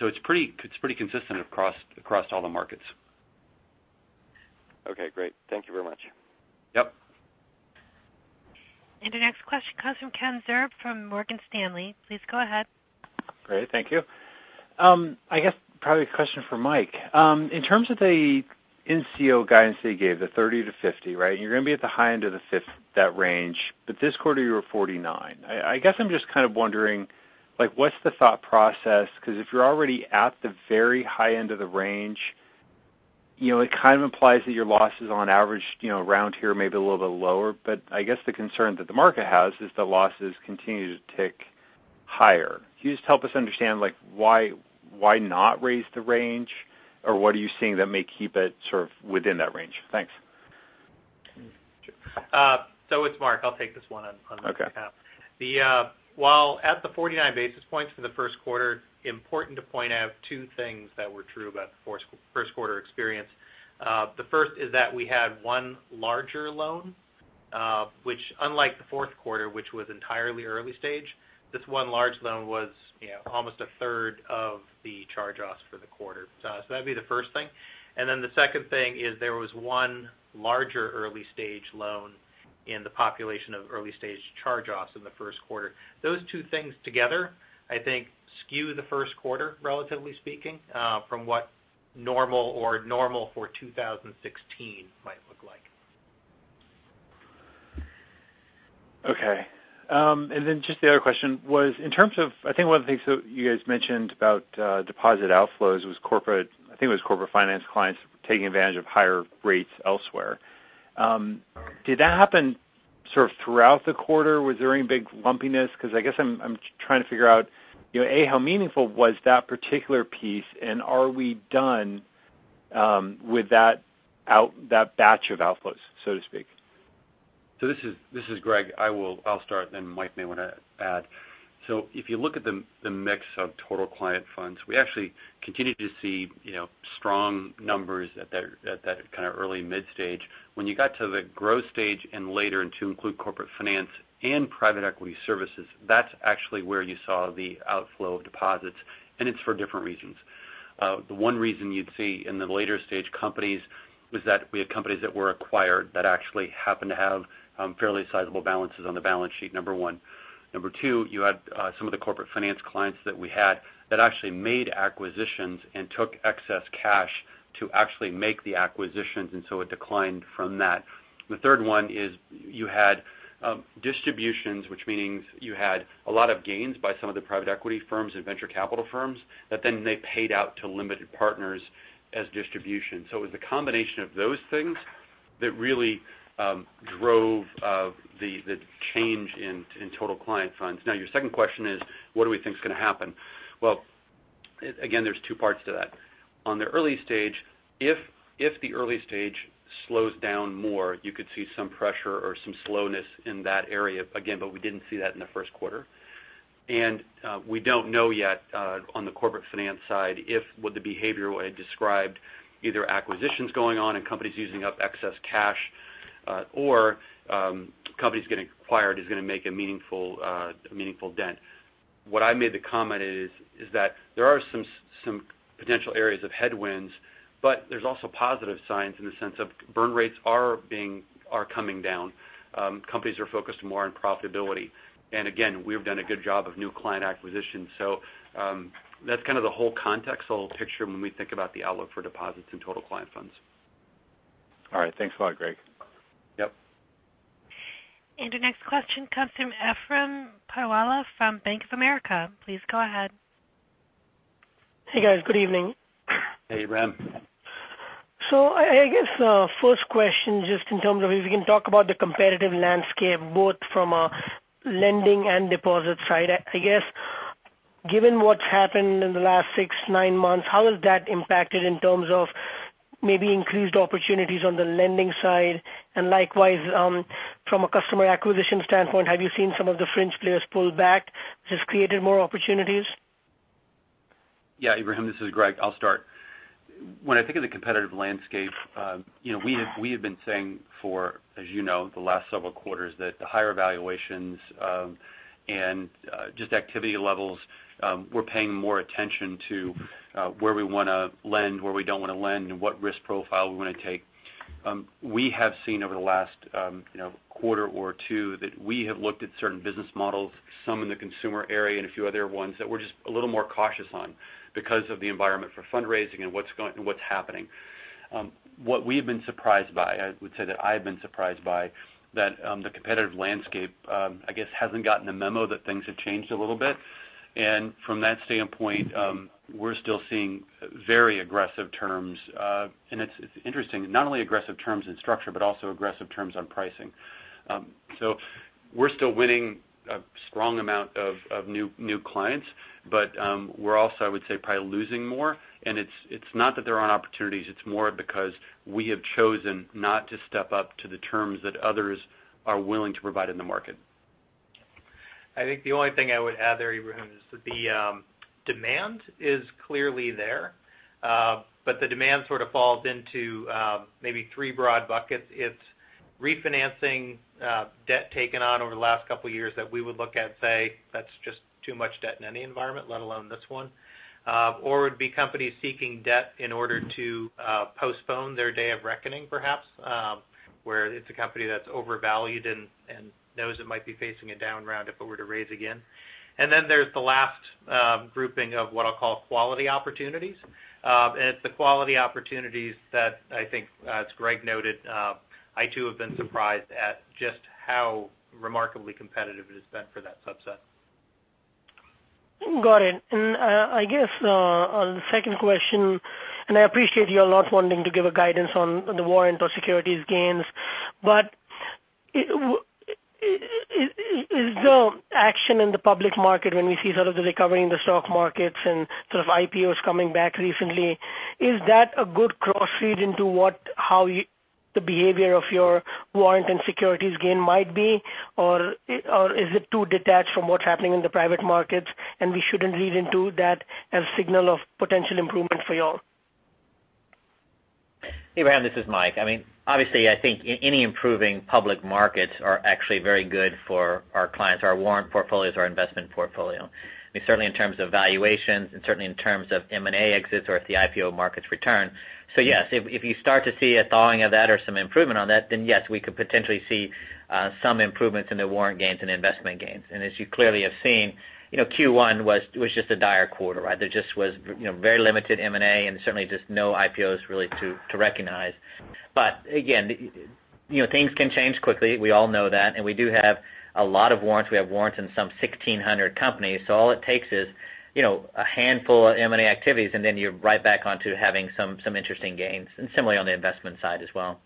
It's pretty consistent across all the markets. Okay, great. Thank you very much. Yep. Our next question comes from Ken Zerbe from Morgan Stanley. Please go ahead. Great. Thank you. I guess probably a question for Mike. In terms of the NCO guidance that you gave, the 30-50, right? You're going to be at the high end of that range, but this quarter you were 49. I guess I'm just kind of wondering what's the thought process? If you're already at the very high end of the range, it kind of implies that your losses on average around here may be a little bit lower. I guess the concern that the market has is the losses continue to tick higher. Can you just help us understand why not raise the range, or what are you seeing that may keep it sort of within that range? Thanks. It's Marc. I'll take this one on Mike's behalf. Okay. While at the 49 basis points for the first quarter, important to point out two things that were true about the first quarter experience. The first is that we had one larger loan which unlike the fourth quarter, which was entirely early stage, this one large loan was almost a third of the charge-offs for the quarter. The second thing is there was one larger early-stage loan in the population of early-stage charge-offs in the first quarter. Those two things together I think skew the first quarter, relatively speaking, from what normal or normal for 2016 might look like. Okay. The other question was in terms of, I think one of the things that you guys mentioned about deposit outflows was corporate, I think it was corporate finance clients taking advantage of higher rates elsewhere. Did that happen sort of throughout the quarter? Was there any big lumpiness? I guess I'm trying to figure out, A, how meaningful was that particular piece, and are we done with that batch of outflows, so to speak? This is Greg. I'll start, then Mike may want to add. If you look at the mix of total client funds, we actually continued to see strong numbers at that kind of early mid stage. When you got to the growth stage and later, and to include corporate finance and private equity services, that's actually where you saw the outflow of deposits, and it's for different reasons. The one reason you'd see in the later stage companies was that we had companies that were acquired that actually happened to have fairly sizable balances on the balance sheet, number 1. Number 2, you had some of the corporate finance clients that we had that actually made acquisitions and took excess cash to actually make the acquisitions, it declined from that. The third one is you had distributions, which means you had a lot of gains by some of the private equity firms and venture capital firms that then they paid out to limited partners as distribution. It was the combination of those things that really drove the change in total client funds. Your second question is, what do we think is going to happen? Again, there's two parts to that. On the early stage, if the early stage slows down more, you could see some pressure or some slowness in that area again, but we didn't see that in the first quarter. We don't know yet on the corporate finance side, if the behavior I described, either acquisitions going on and companies using up excess cash or companies getting acquired is going to make a meaningful dent. What I made the comment is that there are some potential areas of headwinds, but there's also positive signs in the sense of burn rates are coming down. Companies are focused more on profitability. Again, we've done a good job of new client acquisition. That's kind of the whole context, the whole picture when we think about the outlook for deposits and total client funds. All right. Thanks a lot, Greg. Yep. Our next question comes from Ebrahim Poonawala from Bank of America. Please go ahead. Hey, guys. Good evening. Hey, Ebrahim. I guess first question, just in terms of if you can talk about the competitive landscape, both from a lending and deposit side. I guess given what's happened in the last six, nine months, how has that impacted in terms of maybe increased opportunities on the lending side? Likewise, from a customer acquisition standpoint, have you seen some of the fringe players pull back, which has created more opportunities? Yeah, Efrem, this is Greg. I'll start. When I think of the competitive landscape, we have been saying for, as you know, the last several quarters that the higher valuations, and just activity levels, we're paying more attention to where we want to lend, where we don't want to lend, and what risk profile we want to take. We have seen over the last quarter or two that we have looked at certain business models, some in the consumer area and a few other ones that we're just a little more cautious on because of the environment for fundraising and what's happening. What we've been surprised by, I would say that I've been surprised by, that the competitive landscape I guess hasn't gotten the memo that things have changed a little bit. From that standpoint, we're still seeing very aggressive terms. It's interesting, not only aggressive terms in structure, but also aggressive terms on pricing. We're still winning a strong amount of new clients. We're also, I would say, probably losing more, and it's not that there aren't opportunities, it's more because we have chosen not to step up to the terms that others are willing to provide in the market. I think the only thing I would add there, Efrem, is that the demand is clearly there. The demand sort of falls into maybe three broad buckets. It's refinancing debt taken on over the last couple of years that we would look at and say, "That's just too much debt in any environment, let alone this one." It would be companies seeking debt in order to postpone their day of reckoning, perhaps, where it's a company that's overvalued and knows it might be facing a down round if it were to raise again. Then there's the last grouping of what I'll call quality opportunities. It's the quality opportunities that I think, as Greg noted, I too have been surprised at just how remarkably competitive it has been for that subset. Got it. I guess, on the second question, and I appreciate you're not wanting to give a guidance on the warrant or securities gains, but is the action in the public market when we see sort of the recovery in the stock markets and sort of IPOs coming back recently, is that a good cross-read into what how the behavior of your warrant and securities gain might be? Is it too detached from what's happening in the private markets and we shouldn't read into that as signal of potential improvement for you all? Ebrahim, this is Mike. I think any improving public markets are actually very good for our clients, our warrant portfolios, our investment portfolio. In terms of valuations and certainly in terms of M&A exits or if the IPO markets return. If you start to see a thawing of that or some improvement on that, then yes, we could potentially see some improvements in the warrant gains and investment gains. As you clearly have seen, Q1 was just a dire quarter, right? There just was very limited M&A and certainly just no IPOs really to recognize. Things can change quickly. We all know that. We do have a lot of warrants. We have warrants in some 1,600 companies. All it takes is a handful of M&A activities, and then you're right back onto having some interesting gains. Similarly on the investment side as well.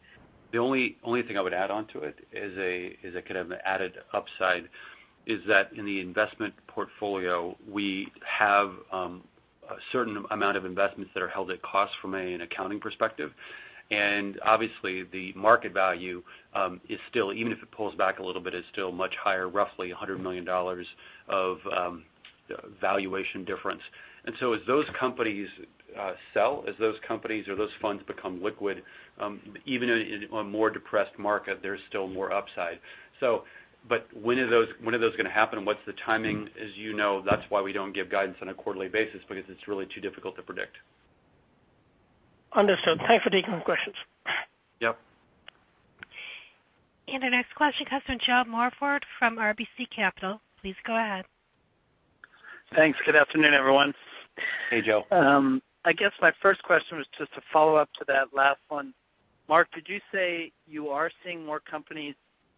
The only thing I would add onto it as a kind of added upside is that in the investment portfolio, we have a certain amount of investments that are held at cost from an accounting perspective. The market value is still, even if it pulls back a little bit, is still much higher, roughly $100 million of valuation difference. As those companies sell, as those companies or those funds become liquid, even in a more depressed market, there's still more upside. When are those going to happen and what's the timing? As you know, that's why we don't give guidance on a quarterly basis because it's really too difficult to predict. Understood. Thanks for taking the questions. Yep. Our next question comes from Joe Morford from RBC Capital Markets. Please go ahead. Thanks. Good afternoon, everyone. Hey, Joe. I guess my first question was just a follow-up to that last one. Mark, did you say you are seeing more companies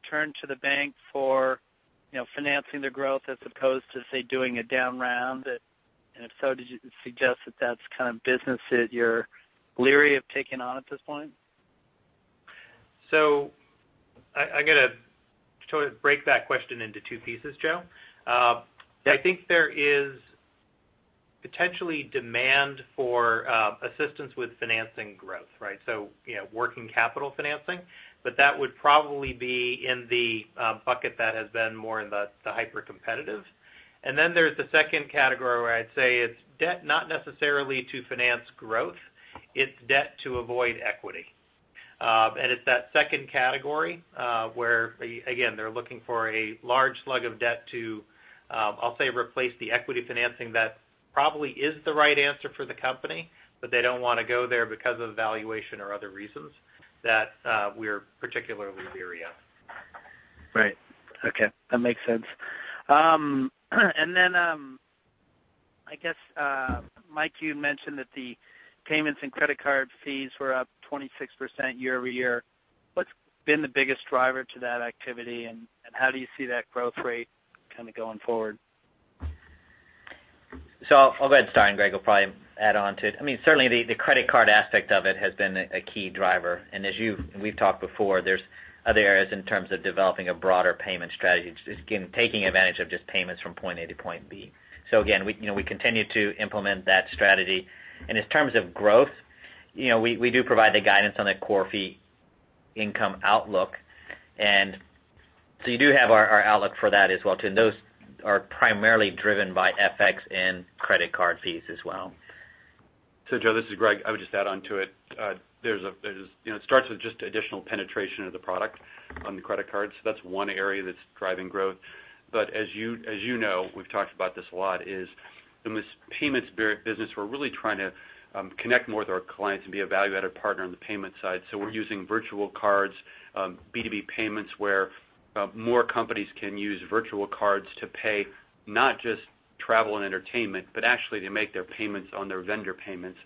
turn to the bank for financing their growth as opposed to, say, doing a down round? If so, did you suggest that that's kind of business that you're leery of taking on at this point? I got to sort of break that question into two pieces, Joe. Yeah. Potentially demand for assistance with financing growth. Working capital financing, but that would probably be in the bucket that has been more in the hypercompetitive. Then there's the second category where I'd say it's debt, not necessarily to finance growth, it's debt to avoid equity. It's that second category, where again, they're looking for a large slug of debt to, I'll say replace the equity financing that probably is the right answer for the company, but they don't want to go there because of valuation or other reasons, that we're particularly leery of. Right. Okay. That makes sense. Then, I guess, Mike, you mentioned that the payments and credit card fees were up 26% year-over-year. What's been the biggest driver to that activity and how do you see that growth rate kind of going forward? I'll go ahead and start, and Greg will probably add on to it. Certainly the credit card aspect of it has been a key driver, and as we've talked before, there's other areas in terms of developing a broader payment strategy. Just again, taking advantage of just payments from point A to point B. Again, we continue to implement that strategy. In terms of growth, we do provide the guidance on the core fee income outlook. You do have our outlook for that as well, too. Those are primarily driven by FX and credit card fees as well. Joe, this is Greg. I would just add on to it. It starts with just additional penetration of the product on the credit cards. That's one area that's driving growth. As you know, we've talked about this a lot, is in this payments business, we're really trying to connect more with our clients and be a value-added partner on the payment side. We're using virtual cards, B2B payments where more companies can use virtual cards to pay, not just travel and entertainment, but actually to make their payments on their vendor payments.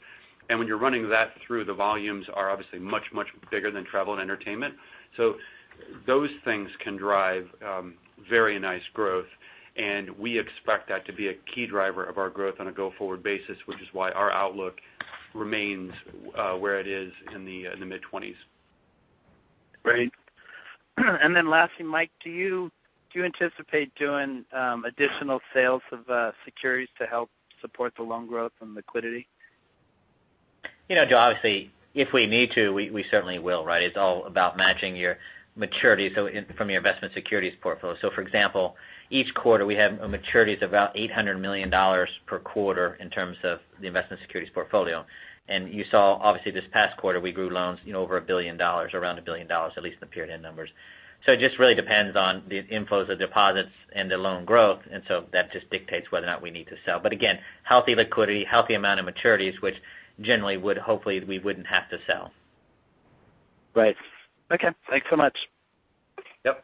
When you're running that through, the volumes are obviously much bigger than travel and entertainment. Those things can drive very nice growth, and we expect that to be a key driver of our growth on a go-forward basis, which is why our outlook remains where it is in the mid-20s. Great. Lastly, Mike, do you anticipate doing additional sales of securities to help support the loan growth and liquidity? Joe, obviously, if we need to, we certainly will. It's all about matching your maturity from your investment securities portfolio. For example, each quarter we have maturities of about $800 million per quarter in terms of the investment securities portfolio. You saw, obviously this past quarter, we grew loans over $1 billion, around $1 billion, at least in the period-end numbers. It just really depends on the inflows of deposits and the loan growth, that just dictates whether or not we need to sell. Again, healthy liquidity, healthy amount of maturities, which generally would, hopefully, we wouldn't have to sell. Right. Okay. Thanks so much. Yep.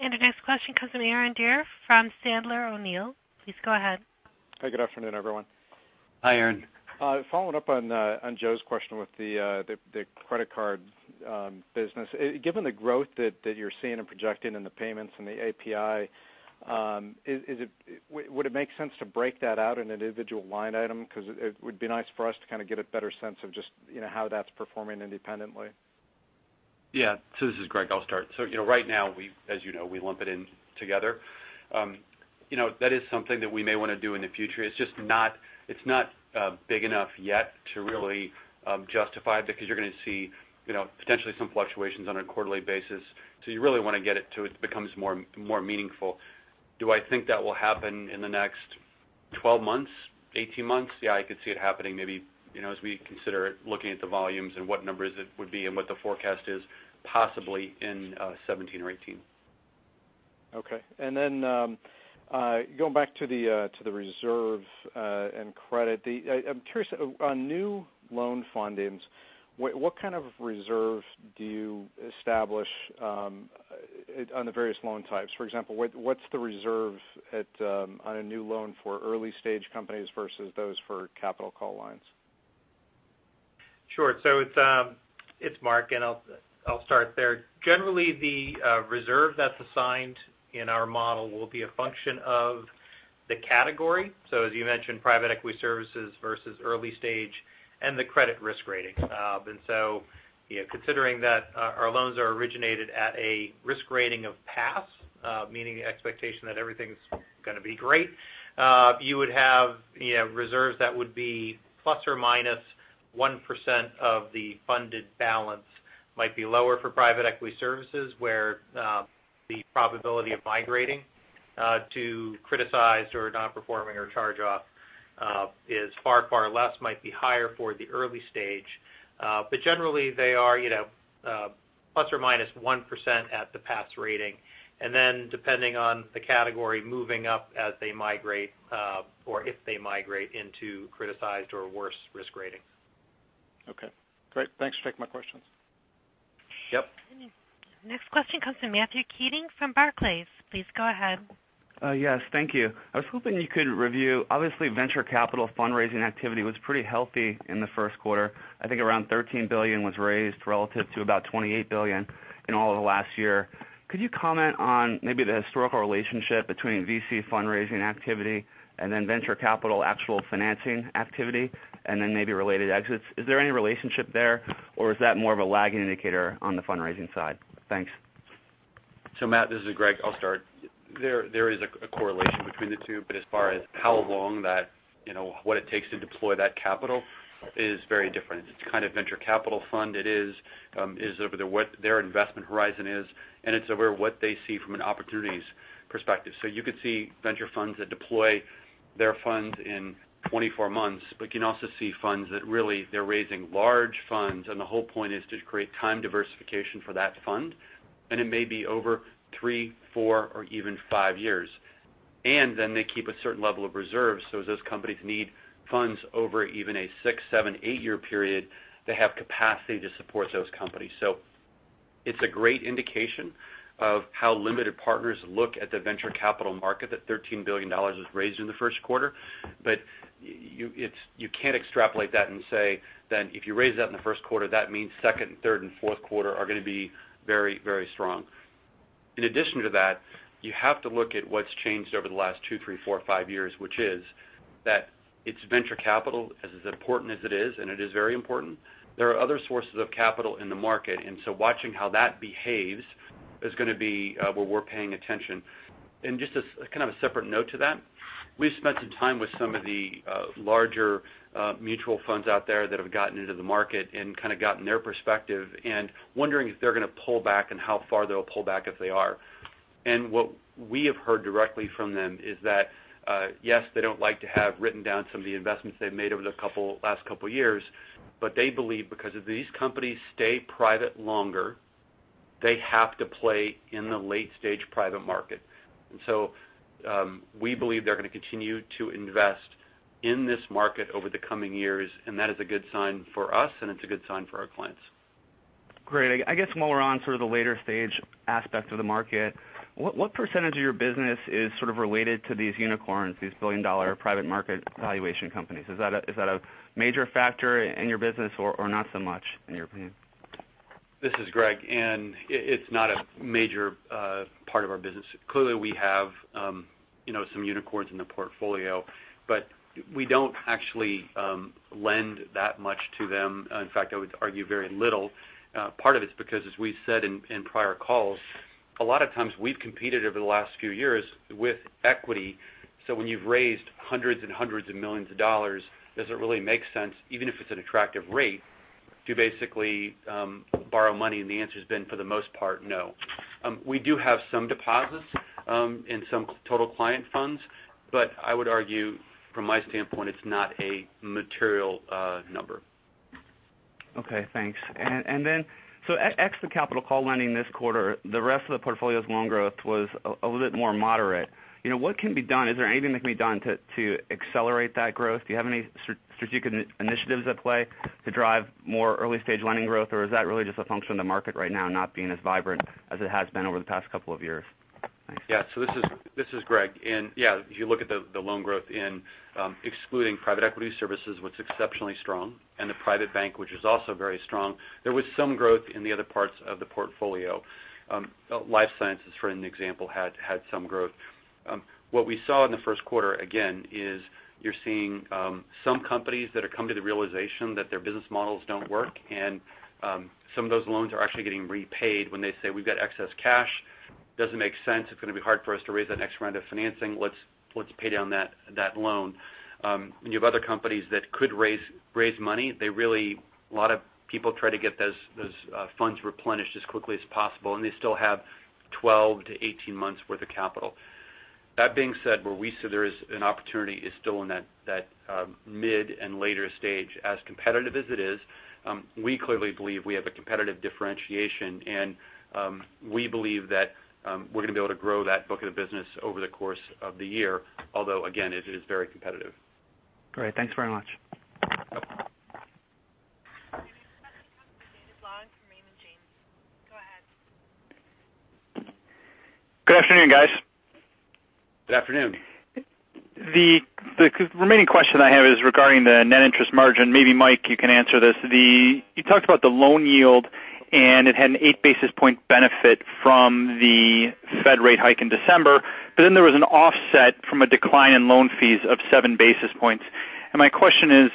Our next question comes from Aaron Deer from Sandler O'Neill. Please go ahead. Hi, good afternoon, everyone. Hi, Aaron. Following up on Joe's question with the credit card business. Given the growth that you're seeing and projecting in the payments and the API, would it make sense to break that out in an individual line item? Because it would be nice for us to kind of get a better sense of just how that's performing independently. Yeah. This is Greg, I'll start. Right now, as you know, we lump it in together. That is something that we may want to do in the future. It's not big enough yet to really justify because you're going to see potentially some fluctuations on a quarterly basis. You really want to get it till it becomes more meaningful. Do I think that will happen in the next 12 months, 18 months? Yeah, I could see it happening maybe as we consider looking at the volumes and what numbers it would be and what the forecast is possibly in 2017 or 2018. Okay. Going back to the reserve and credit. I'm curious, on new loan fundings, what kind of reserve do you establish on the various loan types? For example, what's the reserve on a new loan for early-stage companies versus those for capital call lines? Sure. It's Mark, and I'll start there. Generally, the reserve that's assigned in our model will be a function of the category. As you mentioned, private equity services versus early stage and the credit risk rating. Considering that our loans are originated at a risk rating of pass, meaning the expectation that everything's going to be great, you would have reserves that would be plus or minus 1% of the funded balance. Might be lower for private equity services where the probability of migrating to criticized or non-performing or charge-off is far, far less. Might be higher for the early stage. Generally, they are plus or minus 1% at the pass rating. Then depending on the category moving up as they migrate or if they migrate into criticized or worse risk ratings. Okay, great. Thanks for taking my questions. Yep. Next question comes from Matthew Keating from Barclays. Please go ahead. Yes. Thank you. I was hoping you could review, obviously venture capital fundraising activity was pretty healthy in the first quarter. I think around $13 billion was raised relative to about $28 billion in all of last year. Could you comment on maybe the historical relationship between VC fundraising activity and then venture capital actual financing activity and then maybe related exits? Is there any relationship there, or is that more of a lagging indicator on the fundraising side? Thanks. Matt, this is Greg. I'll start. There is a correlation between the two, but as far as what it takes to deploy that capital is very different. It's the kind of venture capital fund it is over what their investment horizon is, and it's over what they see from an opportunities perspective. You could see venture funds that deploy their funds in 24 months, but you can also see funds that they're raising large funds, and the whole point is to create time diversification for that fund. It may be over three, four, or even five years. Then they keep a certain level of reserves, so as those companies need funds over even a six, seven, eight-year period, they have capacity to support those companies. It's a great indication of how limited partners look at the venture capital market, that $13 billion was raised in the first quarter. You can't extrapolate that and say then if you raise that in the first quarter, that means second and third and fourth quarter are going to be very strong. In addition to that, you have to look at what's changed over the last two, three, four, five years, which is that it's venture capital, as important as it is, and it is very important. There are other sources of capital in the market. So watching how that behaves is going to be where we're paying attention. Just as kind of a separate note to that, we've spent some time with some of the larger mutual funds out there that have gotten into the market and kind of gotten their perspective and wondering if they're going to pull back and how far they'll pull back if they are. What we have heard directly from them is that, yes, they don't like to have written down some of the investments they've made over the last couple of years, but they believe because if these companies stay private longer, they have to play in the late-stage private market. We believe they're going to continue to invest in this market over the coming years, and that is a good sign for us, and it's a good sign for our clients. Great. I guess while we're on sort of the later stage aspect of the market, what % of your business is sort of related to these unicorns, these billion-dollar private market valuation companies? Is that a major factor in your business or not so much in your opinion? This is Greg. It's not a major part of our business. Clearly, we have some unicorns in the portfolio, but we don't actually lend that much to them. In fact, I would argue very little. Part of it's because, as we've said in prior calls, a lot of times we've competed over the last few years with equity. When you've raised hundreds and hundreds of millions of dollars, does it really make sense, even if it's an attractive rate, to basically borrow money? The answer has been, for the most part, no. We do have some deposits and some total client funds, but I would argue from my standpoint, it's not a material number. Okay, thanks. Ex the capital call lending this quarter, the rest of the portfolio's loan growth was a little bit more moderate. What can be done? Is there anything that can be done to accelerate that growth? Do you have any strategic initiatives at play to drive more early-stage lending growth? Or is that really just a function of the market right now not being as vibrant as it has been over the past couple of years? Thanks. Yeah. This is Greg. Yeah, if you look at the loan growth in excluding private equity services, was exceptionally strong, and the private bank which is also very strong. There was some growth in the other parts of the portfolio. Life sciences, for an example, had some growth. What we saw in the first quarter, again, is you're seeing some companies that are coming to the realization that their business models don't work. Some of those loans are actually getting repaid when they say, "We've got excess cash. Doesn't make sense. It's going to be hard for us to raise that next round of financing. Let's pay down that loan." You have other companies that could raise money. A lot of people try to get those funds replenished as quickly as possible, and they still have 12 to 18 months worth of capital. That being said, where we see there is an opportunity is still in that mid and later stage. As competitive as it is, we clearly believe we have a competitive differentiation and we believe that we're going to be able to grow that book of the business over the course of the year. Although, again, it is very competitive. Great. Thanks very much. Our next question comes from David Long from Raymond James. Go ahead. Good afternoon, guys. Good afternoon. The remaining question I have is regarding the net interest margin. Maybe Mike, you can answer this. It had an 8 basis point benefit from the Fed rate hike in December. There was an offset from a decline in loan fees of 7 basis points. My question is,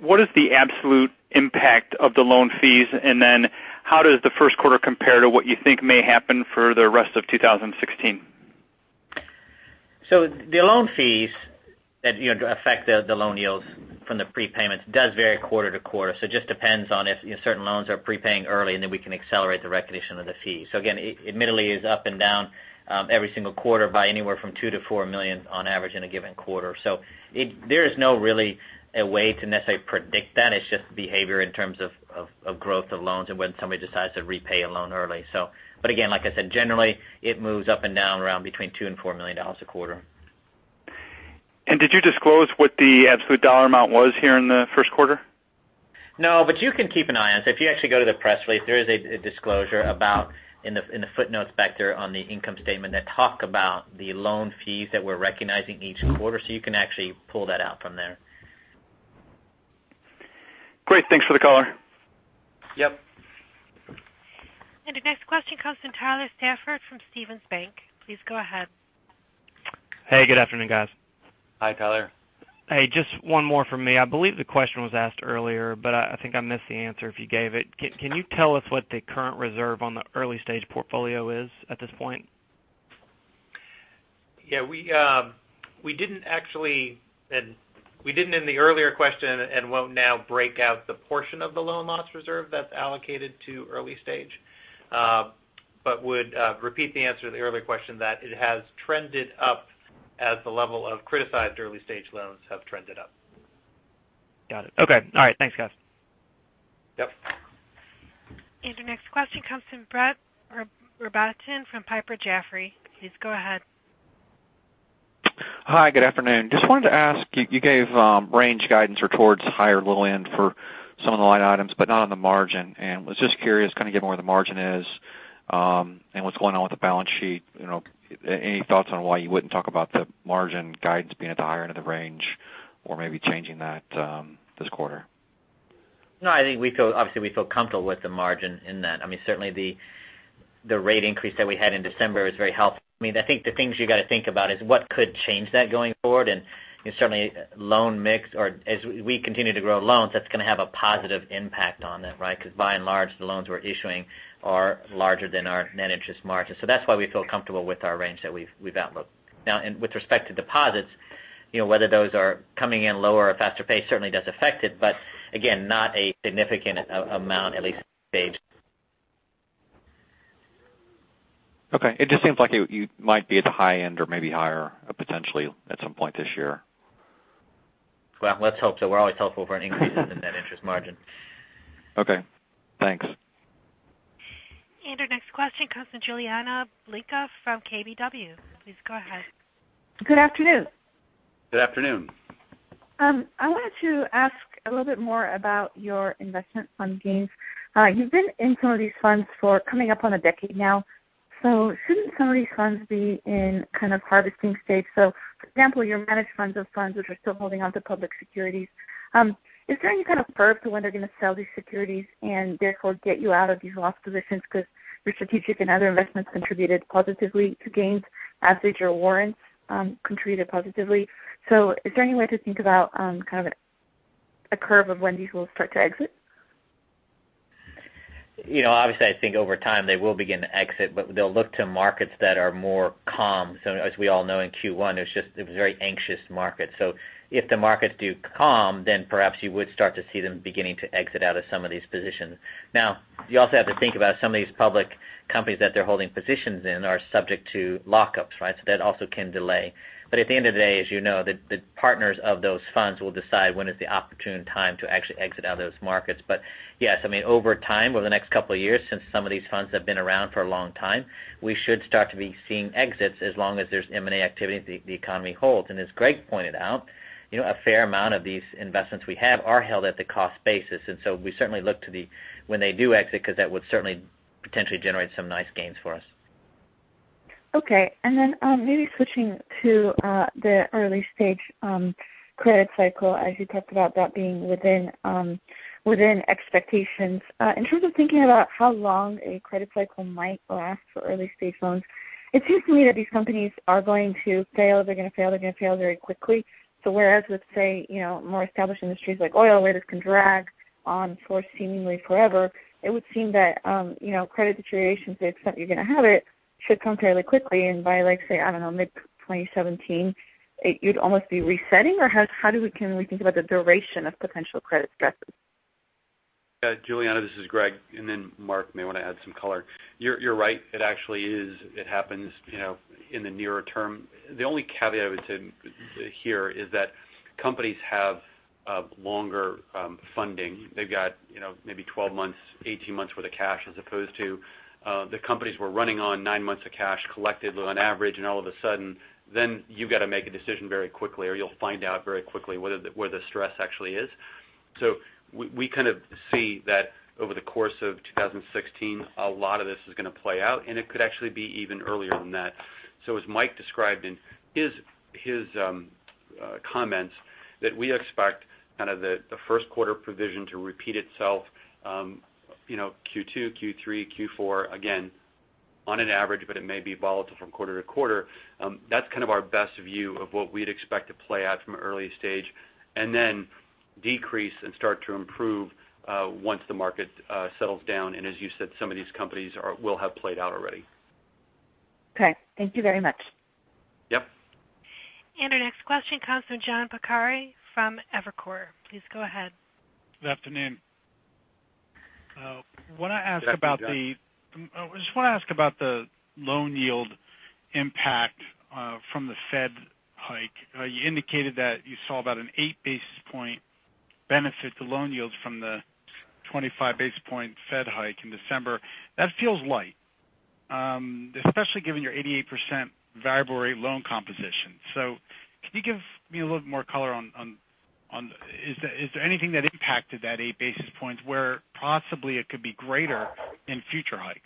what is the absolute impact of the loan fees? Then how does the first quarter compare to what you think may happen for the rest of 2016? The loan fees that affect the loan yields from the prepayments does vary quarter to quarter. It just depends on if certain loans are prepaying early, then we can accelerate the recognition of the fees. Again, admittedly, it's up and down every single quarter by anywhere from $2 million to $4 million on average in a given quarter. There is no really a way to necessarily predict that. It's just behavior in terms of growth of loans and when somebody decides to repay a loan early. Again, like I said, generally, it moves up and down around between $2 million and $4 million a quarter. Did you disclose what the absolute dollar amount was here in the first quarter? No. You can keep an eye on it. If you actually go to the press release, there is a disclosure about in the footnotes back there on the income statement that talk about the loan fees that we're recognizing each quarter. You can actually pull that out from there. Great. Thanks for the color. Yep. The next question comes from Tyler Stafford from Stephens Inc. Please go ahead. Hey, good afternoon, guys. Hi, Tyler. Hey, just one more from me. I believe the question was asked earlier, but I think I missed the answer if you gave it. Can you tell us what the current reserve on the early-stage portfolio is at this point? We didn't in the earlier question and won't now break out the portion of the loan loss reserve that's allocated to early stage. Would repeat the answer to the earlier question that it has trended up as the level of criticized early-stage loans have trended up. Got it. Okay. All right. Thanks, guys. Yep. Your next question comes from Brett Rabatin from Piper Jaffray. Please go ahead. Hi, good afternoon. Just wanted to ask, you gave range guidance or towards higher little end for some of the line items, but not on the margin. Was just curious kind of given where the margin is, and what's going on with the balance sheet. Any thoughts on why you wouldn't talk about the margin guidance being at the higher end of the range or maybe changing that this quarter? No, I think obviously, we feel comfortable with the margin in that. Certainly, the rate increase that we had in December is very helpful. I think the things you got to think about is what could change that going forward. Certainly loan mix, or as we continue to grow loans, that's going to have a positive impact on that, right? Because by and large, the loans we're issuing are larger than our net interest margins. So that's why we feel comfortable with our range that we've outlined. Now, with respect to deposits, whether those are coming in lower or faster pace certainly does affect it. But again, not a significant amount, at least to date. Okay. It just seems like you might be at the high end or maybe higher potentially at some point this year. Well, let's hope so. We're always hopeful for an increase in the net interest margin. Okay. Thanks. Our next question comes from Julianna Balicka from KBW. Please go ahead. Good afternoon. Good afternoon. I wanted to ask a little bit more about your investment fund gains. You've been in some of these funds for coming up on a decade now. Shouldn't some of these funds be in kind of harvesting stage? For example, your managed funds of funds which are still holding onto public securities. Is there any kind of curve to when they're going to sell these securities and therefore get you out of these loss positions because your strategic and other investments contributed positively to gains as did your warrants contributed positively. Is there any way to think about kind of a curve of when these will start to exit? Obviously I think over time they will begin to exit, they'll look to markets that are more calm. As we all know in Q1, it was a very anxious market. If the markets do calm, then perhaps you would start to see them beginning to exit out of some of these positions. You also have to think about some of these public companies that they're holding positions in are subject to lockups, right? That also can delay. At the end of the day, as you know, the partners of those funds will decide when is the opportune time to actually exit out of those markets. Yes, over time, over the next couple of years, since some of these funds have been around for a long time, we should start to be seeing exits as long as there's M&A activity and the economy holds. As Greg pointed out, a fair amount of these investments we have are held at the cost basis. We certainly look to when they do exit because that would certainly potentially generate some nice gains for us. Okay. Maybe switching to the early-stage credit cycle as you talked about that being within expectations. In terms of thinking about how long a credit cycle might last for early-stage loans, it seems to me that these companies are going to fail very quickly. Whereas with say, more established industries like oil where this can drag on for seemingly forever, it would seem that credit deterioration, to the extent you're going to have it, should come fairly quickly and by let's say, I don't know, mid-2017, you'd almost be resetting or how can we think about the duration of potential credit stresses? Julianna, this is Greg, and then Marc may want to add some color. You're right. It actually is. It happens in the nearer term. The only caveat I would say here is that companies have longer funding. They've got maybe 12 months, 18 months worth of cash as opposed to the companies were running on nine months of cash collected on average and all of a sudden then you've got to make a decision very quickly or you'll find out very quickly where the stress actually is. We kind of see that over the course of 2016, a lot of this is going to play out and it could actually be even earlier than that. As Mike described in his comments, that we expect kind of the first quarter provision to repeat itself Q2, Q3, Q4 again on an average but it may be volatile from quarter to quarter. That's kind of our best view of what we'd expect to play out from an early stage and then decrease and start to improve once the market settles down and as you said some of these companies will have played out already. Okay. Thank you very much. Yep. Our next question comes from John Pancari from Evercore. Please go ahead. Good afternoon. Good afternoon, John. I just want to ask about the loan yield impact from the Fed hike. You indicated that you saw about an 8 basis point benefit to loan yields from the 25 basis point Fed hike in December. That feels light, especially given your 88% variable rate loan composition. Can you give me a little bit more color on, is there anything that impacted that 8 basis points where possibly it could be greater in future hikes?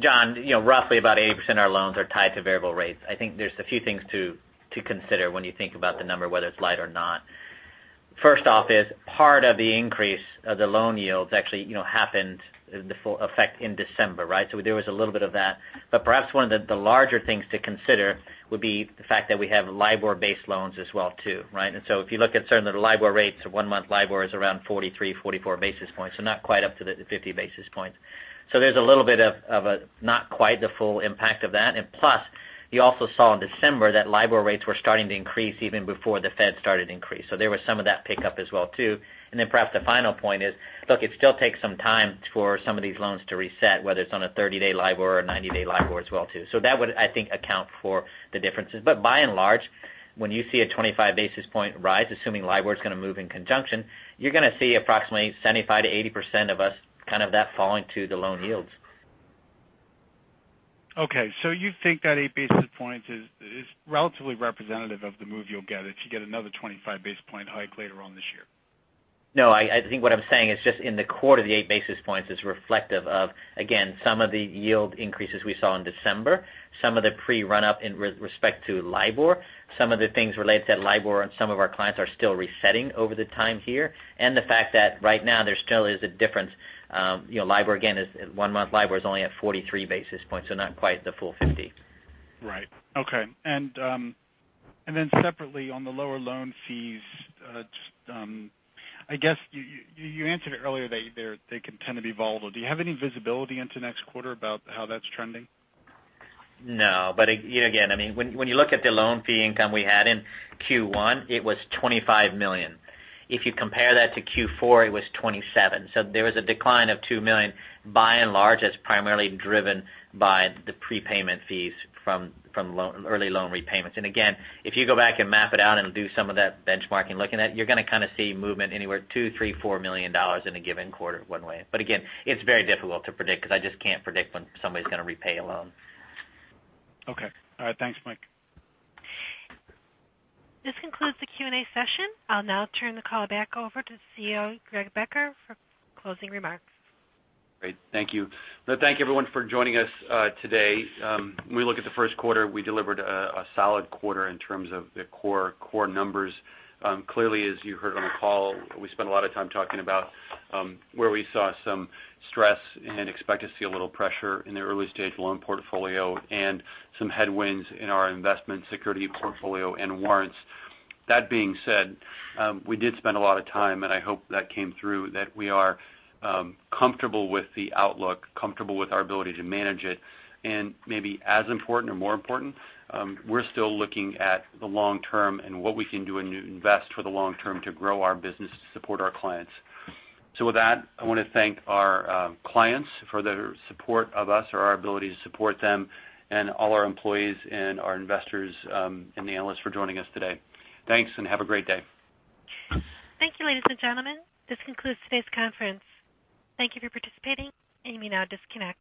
John, roughly about 80% of our loans are tied to variable rates. I think there's a few things to consider when you think about the number, whether it's light or not. First off is part of the increase of the loan yields actually happened in the full effect in December, right? There was a little bit of that, but perhaps one of the larger things to consider would be the fact that we have LIBOR-based loans as well too, right? If you look at certain of the LIBOR rates, one-month LIBOR is around 43, 44 basis points, so not quite up to the 50 basis points. There's a little bit of a not quite the full impact of that. Plus, you also saw in December that LIBOR rates were starting to increase even before the Fed started increase. There was some of that pickup as well too. Perhaps the final point is, look, it still takes some time for some of these loans to reset, whether it's on a 30-day LIBOR or a 90-day LIBOR as well too. That would, I think, account for the differences. By and large, when you see a 25 basis point rise, assuming LIBOR is going to move in conjunction, you're going to see approximately 75%-80% of us, kind of that falling to the loan yields. Okay, you think that 8 basis points is relatively representative of the move you'll get if you get another 25 basis point hike later on this year? No, I think what I'm saying is just in the quarter, the 8 basis points is reflective of, again, some of the yield increases we saw in December, some of the pre-run-up in respect to LIBOR, some of the things related to that LIBOR, and some of our clients are still resetting over the time here. The fact that right now there still is a difference. One-month LIBOR is only at 43 basis points, so not quite the full 50. Right. Okay. Separately on the lower loan fees, I guess you answered it earlier, they can tend to be volatile. Do you have any visibility into next quarter about how that's trending? No, when you look at the loan fee income we had in Q1, it was $25 million. If you compare that to Q4, it was $27 million. There was a decline of $2 million. By and large, that's primarily driven by the prepayment fees from early loan repayments. If you go back and map it out and do some of that benchmarking looking at, you're going to kind of see movement anywhere, $2 million, $3 million, $4 million in a given quarter one way. It's very difficult to predict because I just can't predict when somebody's going to repay a loan. Okay. All right. Thanks, Mike. This concludes the Q&A session. I'll now turn the call back over to CEO Greg Becker for closing remarks. Great. Thank you. Thank you everyone for joining us today. When we look at the first quarter, we delivered a solid quarter in terms of the core numbers. Clearly, as you heard on the call, we spent a lot of time talking about where we saw some stress and expect to see a little pressure in the early-stage loan portfolio and some headwinds in our investment security portfolio and warrants. That being said, we did spend a lot of time, and I hope that came through, that we are comfortable with the outlook, comfortable with our ability to manage it, and maybe as important or more important, we're still looking at the long term and what we can do and invest for the long term to grow our business to support our clients. With that, I want to thank our clients for their support of us or our ability to support them and all our employees and our investors and the analysts for joining us today. Thanks and have a great day. Thank you, ladies and gentlemen. This concludes today's conference. Thank you for participating, and you may now disconnect.